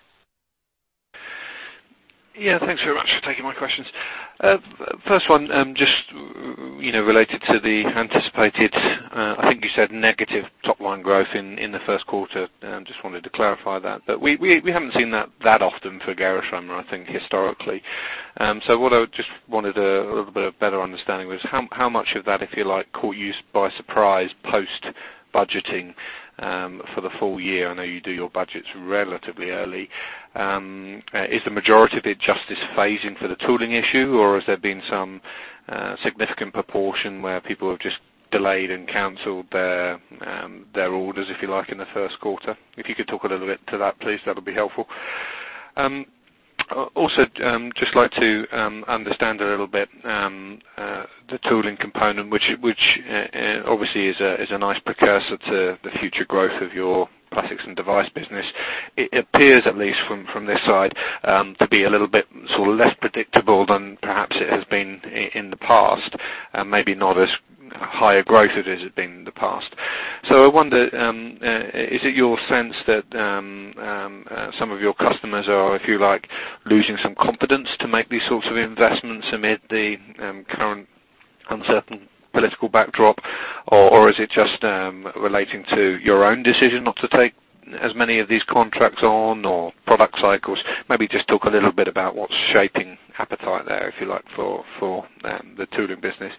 Yeah, thanks very much for taking my questions. First one, just related to the anticipated, I think you said negative top-line growth in the first quarter. Just wanted to clarify that. We haven't seen that that often for Gerresheimer, I think, historically. What I just wanted a little bit of better understanding was how much of that, if you like, caught you by surprise post-budgeting for the full year? I know you do your budgets relatively early. Is the majority of it just this phasing for the tooling issue, or has there been some significant proportion where people have just delayed and canceled their orders, if you like, in the first quarter? If you could talk a little bit to that, please, that would be helpful. Just like to understand a little bit the tooling component, which obviously is a nice precursor to the future growth of your Plastics and Devices business. It appears, at least from this side, to be a little bit less predictable than perhaps it has been in the past, and maybe not as high a growth as it has been in the past. I wonder, is it your sense that some of your customers are, if you like, losing some confidence to make these sorts of investments amid the current uncertain political backdrop, or is it just relating to your own decision not to take as many of these contracts on or product cycles? Maybe just talk a little bit about what's shaping appetite there, if you like, for the tooling business.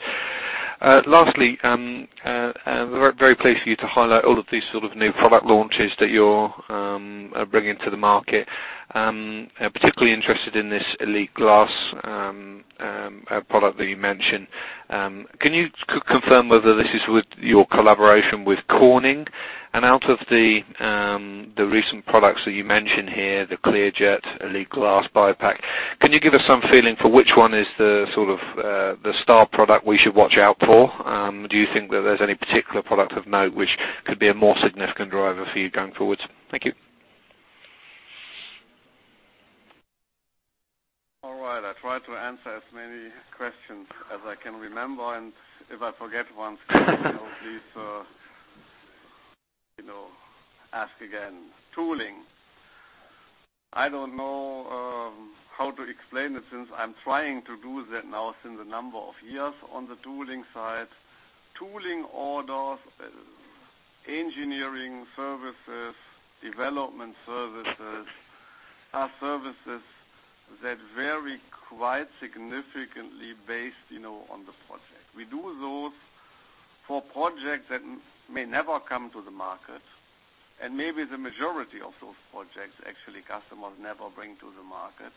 Lastly, very pleased for you to highlight all of these sort of new product launches that you're bringing to the market. Particularly interested in this Gx Elite Glass product that you mentioned. Can you confirm whether this is with your collaboration with Corning? Out of the recent products that you mentioned here, the ClearJect, Gx Elite Glass, BioPack, can you give us some feeling for which one is the star product we should watch out for? Do you think that there's any particular product of note which could be a more significant driver for you going forward? Thank you. All right. I'll try to answer as many questions as I can remember, and if I forget one, please ask again. Tooling. I don't know how to explain it since I'm trying to do that now since a number of years on the tooling side. Tooling orders, engineering services, development services are services that vary quite significantly based on the project. We do those for projects that may never come to the market, and maybe the majority of those projects, actually, customers never bring to the market.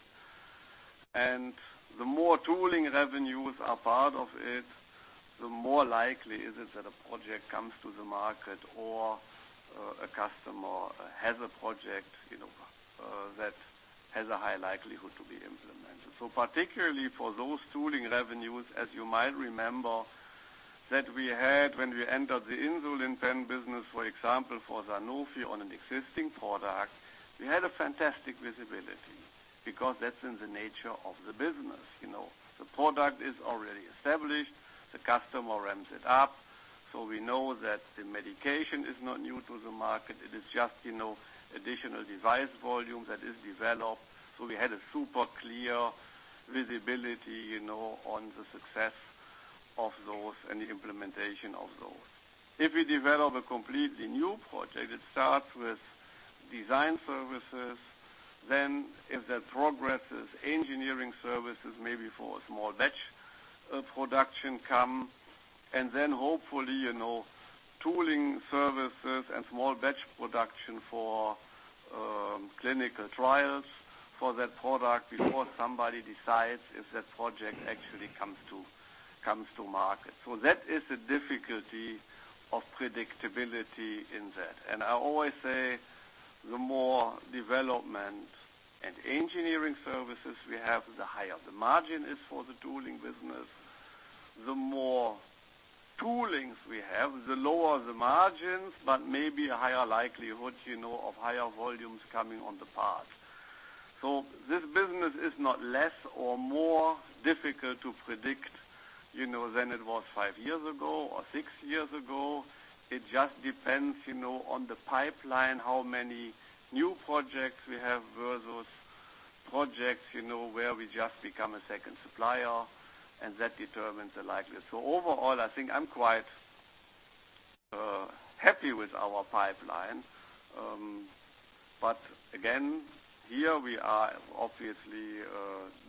The more tooling revenues are part of it, the more likely is it that a project comes to the market or a customer has a project that has a high likelihood to be implemented. Particularly for those tooling revenues, as you might remember, that we had when we entered the insulin pen business, for example, for Sanofi on an existing product, we had a fantastic visibility because that's in the nature of the business. The product is already established. The customer ramps it up. We know that the medication is not new to the market. It is just additional device volume that is developed. We had a super clear visibility on the success of those and the implementation of those. If we develop a completely new project, it starts with design services. As that progresses, engineering services, maybe for a small batch production come, and then hopefully tooling services and small batch production for clinical trials for that product before somebody decides if that project actually comes to market. That is the difficulty of predictability in that. I always say the more development and engineering services we have, the higher the margin is for the tooling business. The more toolings we have, the lower the margins, but maybe a higher likelihood of higher volumes coming on the part. This business is not less or more difficult to predict than it was five years ago or six years ago. It just depends on the pipeline, how many new projects we have versus projects where we just become a second supplier, and that determines the likelihood. Overall, I think I'm quite happy with our pipeline. Again, here we are obviously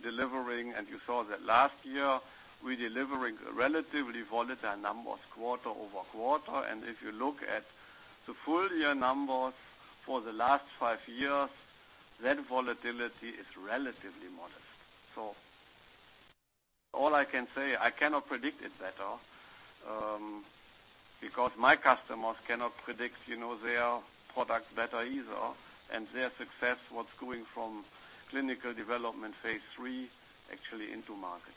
delivering, and you saw that last year, we delivering relatively volatile numbers quarter-over-quarter. If you look at the full year numbers for the last five years, that volatility is relatively modest. All I can say, I cannot predict it better, because my customers cannot predict their product better either, and their success, what's going from clinical development phase III actually into market.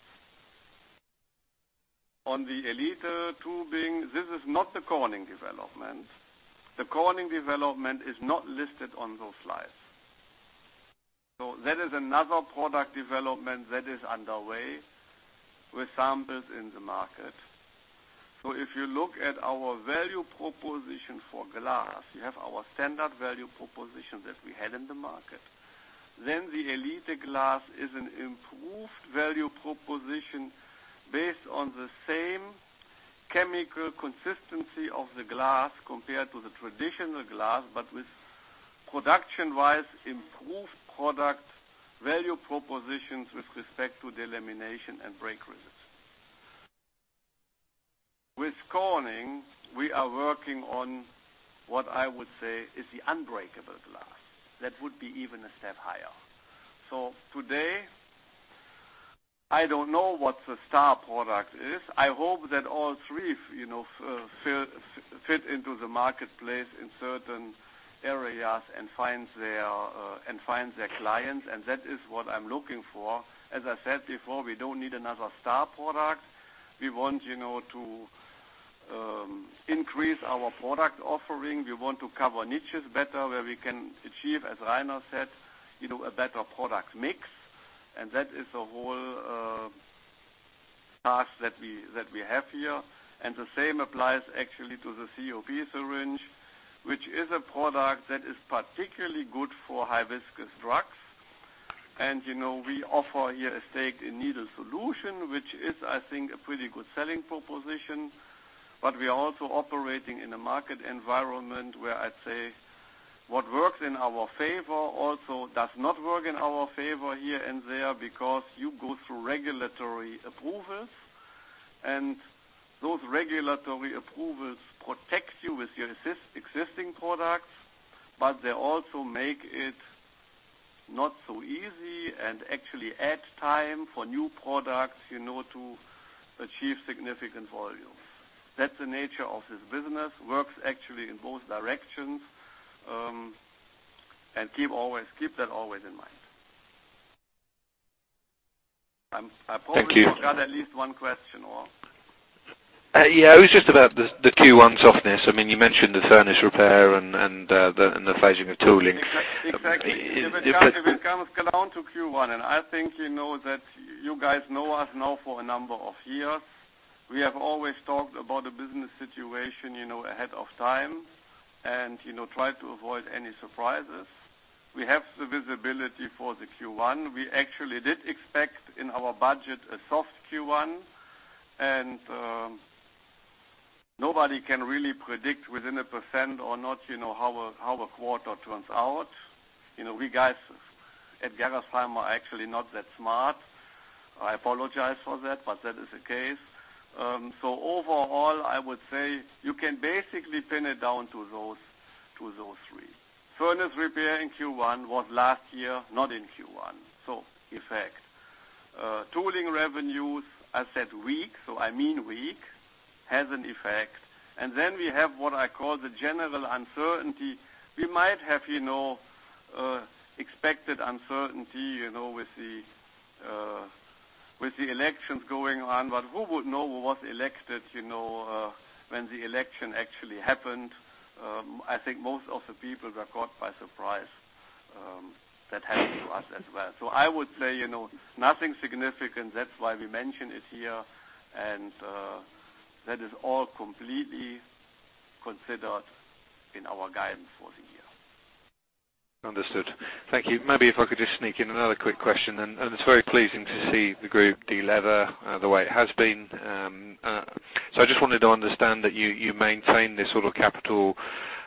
On the ELITE tubing, this is not the Corning development. The Corning development is not listed on those slides. That is another product development that is underway with samples in the market. If you look at our value proposition for glass, we have our standard value proposition that we had in the market. The ELITE glass is an improved value proposition based on the same chemical consistency of the glass compared to the traditional glass, but with production-wise improved product value propositions with respect to delamination and break resistance. With Corning, we are working on what I would say is the unbreakable glass. That would be even a step higher. Today, I don't know what the star product is. I hope that all three fit into the marketplace in certain areas and find their clients, and that is what I'm looking for. As I said before, we don't need another star product. We want to increase our product offering. We want to cover niches better where we can achieve, as Rainer said, a better product mix, and that is the whole task that we have here. The same applies actually to the COP syringe, which is a product that is particularly good for high viscous drugs. We offer here a staked needle solution, which is, I think, a pretty good selling proposition. We are also operating in a market environment where I'd say what works in our favor also does not work in our favor here and there because you go through regulatory approvals. Those regulatory approvals protect you with your existing products, but they also make it not so easy and actually add time for new products to achieve significant volume. That's the nature of this business, works actually in both directions. Keep that always in mind. Thank you Got at least one question, or? Yeah, it was just about the Q1 softness. You mentioned the furnace repair and the phasing of tooling. Exactly. If it comes down to Q1, and I think you guys know us now for a number of years. We have always talked about the business situation ahead of time and try to avoid any surprises. We have the visibility for the Q1. We actually did expect in our budget a soft Q1, and nobody can really predict within 1% or not how a quarter turns out. We guys at Gerresheimer are actually not that smart. I apologize for that, but that is the case. Overall, I would say you can basically pin it down to those 3. Furnace repair in Q1 was last year, not in Q1. Effect. Tooling revenues, I said weak, so I mean weak, has an effect. We have what I call the general uncertainty. We might have expected uncertainty with the elections going on, but who would know who was elected when the election actually happened? I think most of the people were caught by surprise. That happened to us as well. I would say nothing significant. That's why we mention it here, and that is all completely considered in our guidance for the year. Understood. Thank you. Maybe if I could just sneak in another quick question, and it's very pleasing to see the group de-lever the way it has been. I just wanted to understand that you maintain this sort of capital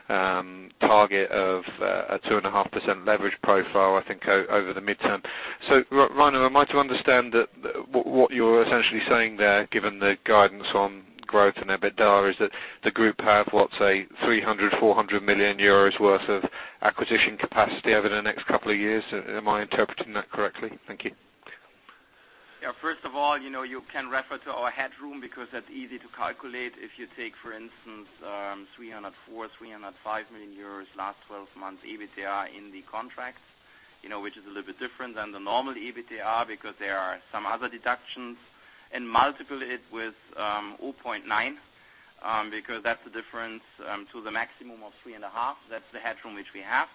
target of a 2.5% leverage profile, I think, over the midterm. Rainer, am I to understand that what you're essentially saying there, given the guidance on growth and EBITDA, is that the group have, what, say 300 million-400 million euros worth of acquisition capacity over the next 2 years? Am I interpreting that correctly? Thank you. Yeah. First of all, you can refer to our headroom, because that's easy to calculate. If you take, for instance, 304 million-305 million euros last 12 months EBITDA in the contracts, which is a little bit different than the normal EBITDA because there are some other deductions, and multiply it with 0.9, because that's the difference to the maximum of 3.5. That's the headroom which we have.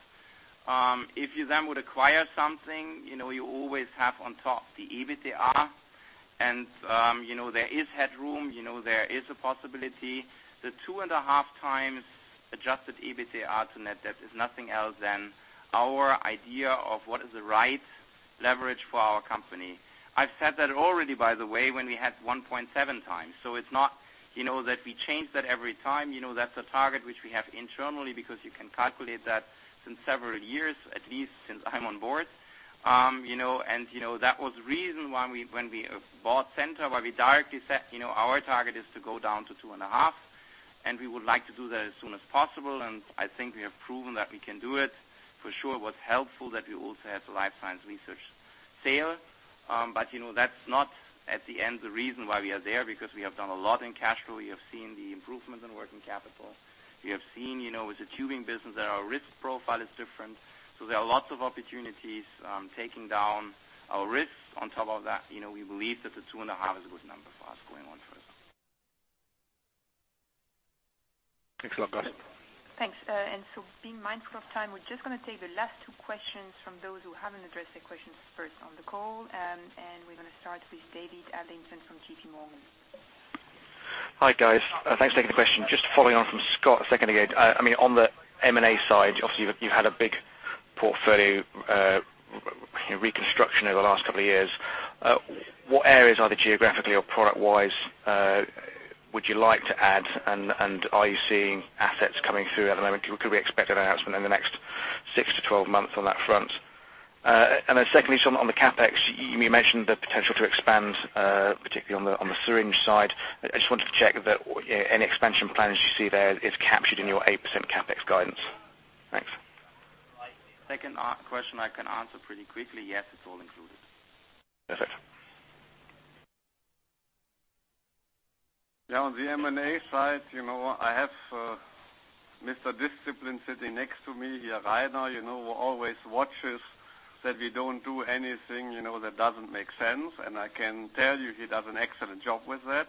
If you then would acquire something, you always have on top the EBITDA and there is headroom, there is a possibility. The 2.5 times adjusted EBITDA to net debt is nothing else than our idea of what is the right leverage for our company. I've said that already, by the way, when we had 1.7 times. It's not that we change that every time. That's a target which we have internally, because you can calculate that since several years, at least since I'm on board. That was the reason when we bought Centor, where we directly said our target is to go down to two and a half, and we would like to do that as soon as possible. I think we have proven that we can do it. For sure, it was helpful that we also had the Life Science Research sale. That's not at the end, the reason why we are there, because we have done a lot in cash flow. You have seen the improvements in working capital. You have seen, with the tubing business, that our risk profile is different. There are lots of opportunities, taking down our risks. On top of that, we believe that the two and a half is a good number for us going on further. Thanks a lot. Got it. Thanks. Being mindful of time, we're just going to take the last two questions from those who haven't addressed their questions first on the call. We're going to start with David Adlington from JP Morgan. Hi, guys. Thanks for taking the question. Just following on from Scott a second ago. On the M&A side, obviously, you've had a big portfolio reconstruction over the last couple of years. What areas, either geographically or product wise, would you like to add, and are you seeing assets coming through at the moment? Could we expect an announcement in the next 6-12 months on that front? Secondly, on the CapEx, you mentioned the potential to expand, particularly on the syringe side. I just wanted to check that any expansion plans you see there is captured in your 8% CapEx guidance. Thanks. The second question I can answer pretty quickly. Yes, it's all included. Perfect. On the M&A side, I have Mr. Discipline sitting next to me here. Rainer always watches that we don't do anything that doesn't make sense. I can tell you he does an excellent job with that.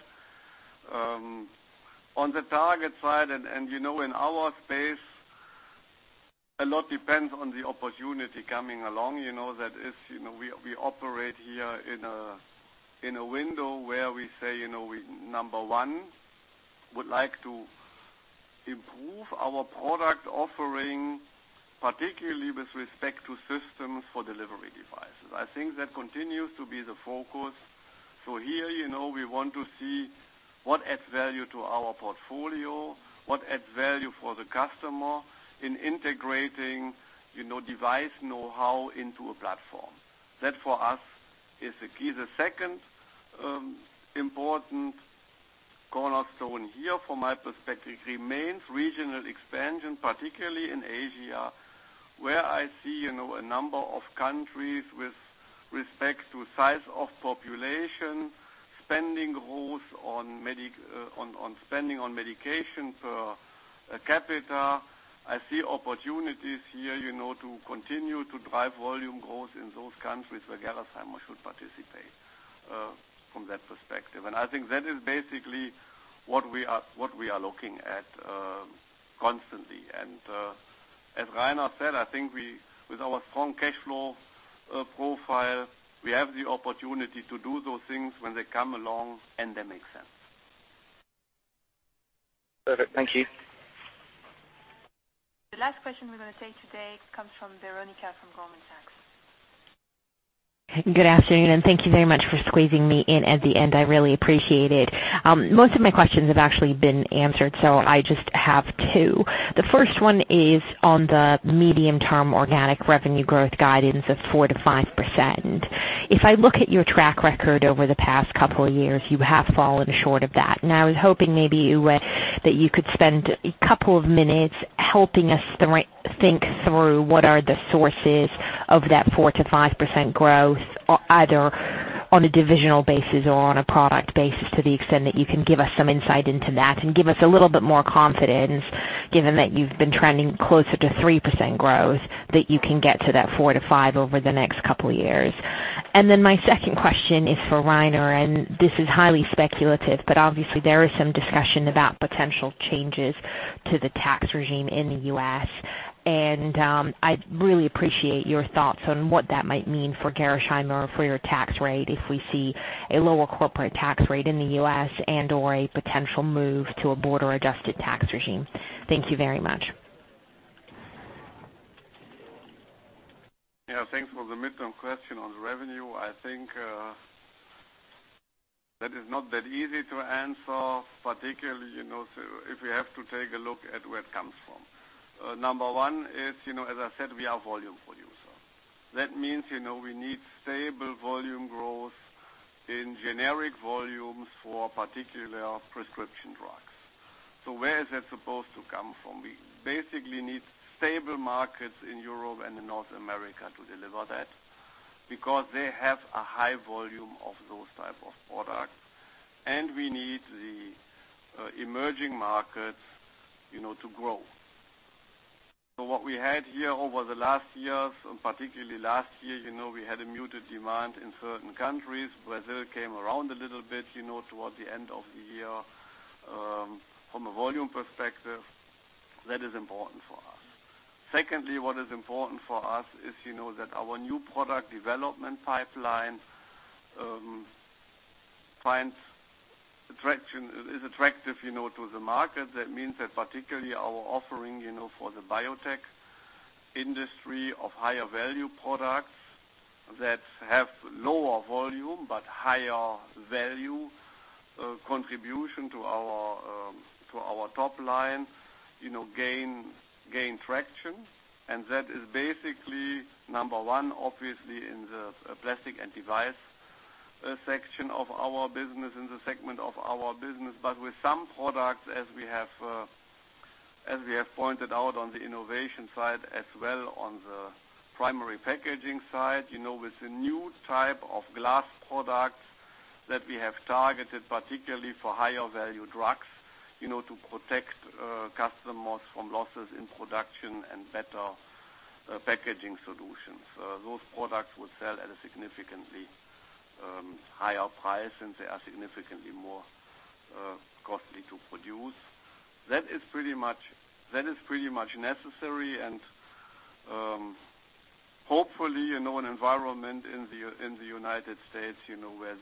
On the target side, in our space, a lot depends on the opportunity coming along. That is, we operate here in a window where we say, number one, would like to improve our product offering, particularly with respect to systems for delivery devices. I think that continues to be the focus. Here, we want to see what adds value to our portfolio, what adds value for the customer in integrating device knowhow into a platform. That, for us, is the key. The second important cornerstone here from my perspective remains regional expansion, particularly in Asia, where I see a number of countries with respect to size of population, spending growth on spending on medication per capita. I see opportunities here to continue to drive volume growth in those countries where Gerresheimer should participate from that perspective. I think that is basically what we are looking at constantly. As Rainer said, I think with our strong cash flow profile, we have the opportunity to do those things when they come along and they make sense. Perfect. Thank you. The last question we're going to take today comes from Veronika from Goldman Sachs. Good afternoon. Thank you very much for squeezing me in at the end. I really appreciate it. Most of my questions have actually been answered. I just have two. The first one is on the medium-term organic revenue growth guidance of 4% to 5%. If I look at your track record over the past couple of years, you have fallen short of that. I was hoping maybe that you could spend a couple of minutes helping us think through what are the sources of that 4% to 5% growth, either on a divisional basis or on a product basis, to the extent that you can give us some insight into that and give us a little bit more confidence, given that you've been trending closer to 3% growth, that you can get to that 4% to 5% over the next couple of years. My second question is for Rainer. This is highly speculative, obviously, there is some discussion about potential changes to the tax regime in the U.S. I'd really appreciate your thoughts on what that might mean for Gerresheimer or for your tax rate if we see a lower corporate tax rate in the U.S. and/or a potential move to a border-adjusted tax regime. Thank you very much. Thanks for the midterm question on revenue. I think that is not that easy to answer, particularly, if you have to take a look at where it comes from. Number one is, as I said, we are volume producer. That means, we need stable volume growth in generic volumes for particularly our prescription drugs. Where is that supposed to come from? We basically need stable markets in Europe and in North America to deliver that, because they have a high volume of those type of products. We need the emerging markets to grow. What we had here over the last years, and particularly last year, we had a muted demand in certain countries. Brazil came around a little bit toward the end of the year. From a volume perspective, that is important for us. Secondly, what is important for us is that our new product development pipeline is attractive to the market. That means that particularly our offering for the biotech industry of higher value products that have lower volume, but higher value, contribution to our top line, gain traction. That is basically number one, obviously, in the Plastics and Devices section of our business, in the segment of our business. With some products, as we have pointed out on the innovation side, as well on the Primary Packaging Glass side. With the new type of glass products that we have targeted, particularly for higher value drugs, to protect customers from losses in production and better packaging solutions. Those products will sell at a significantly higher price, and they are significantly more costly to produce. That is pretty much necessary and, hopefully, an environment in the U.S.,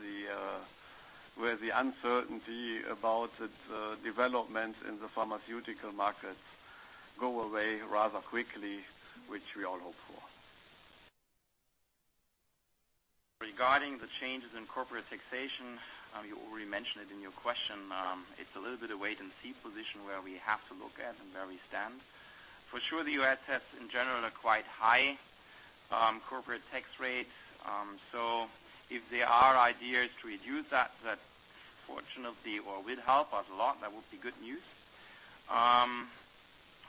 where the uncertainty about its development in the pharmaceutical markets go away rather quickly, which we all hope for. Regarding the changes in corporate taxation, you already mentioned it in your question. It's a little bit of wait and see position where we have to look at and where we stand. For sure the U.S. has, in general, a quite high corporate tax rate. If there are ideas to reduce that fortunately will help us a lot. That would be good news.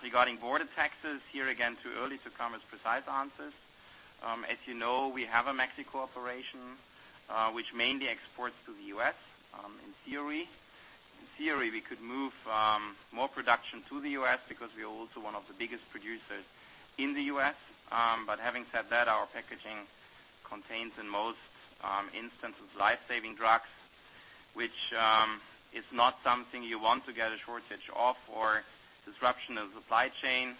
Regarding border taxes, here again, too early to come with precise answers. As you know, we have a Mexico operation, which mainly exports to the U.S. In theory, we could move more production to the U.S. because we are also one of the biggest producers in the U.S. Having said that, our packaging contains, in most instances, life-saving drugs, which is not something you want to get a shortage of or disruption of supply chain.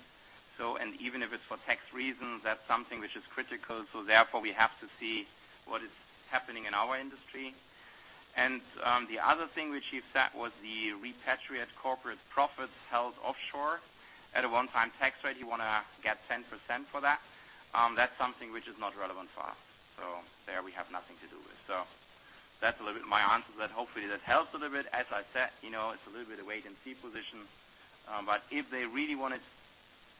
Even if it's for tax reasons, that's something which is critical. Therefore, we have to see what is happening in our industry. The other thing which you've said was the repatriate corporate profits held offshore at a one-time tax rate. You want to get 10% for that. That's something which is not relevant for us. There we have nothing to do with. That's a little bit my answer that hopefully that helps a little bit. As I said, it's a little bit of wait and see position. If they really want to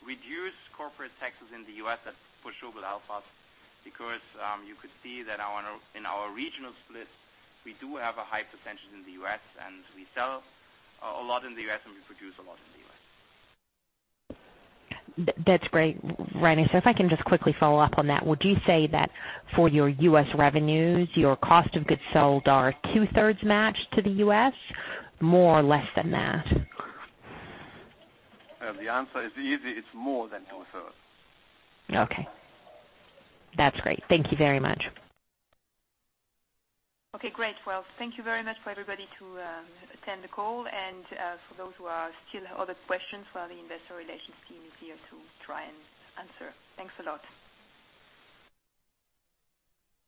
reduce corporate taxes in the U.S., that for sure will help us because, you could see that in our regional split, we do have a high percentage in the U.S., and we sell a lot in the U.S., and we produce a lot in the U.S. That's great, Rainer. If I can just quickly follow up on that. Would you say that for your U.S. revenues, your cost of goods sold are two-thirds matched to the U.S.? More or less than that? The answer is easy. It's more than two-thirds. Okay. That's great. Thank you very much. Okay, great. Well, thank you very much for everybody who attend the call. For those who still have other questions, the Investor Relations team is here to try and answer. Thanks a lot.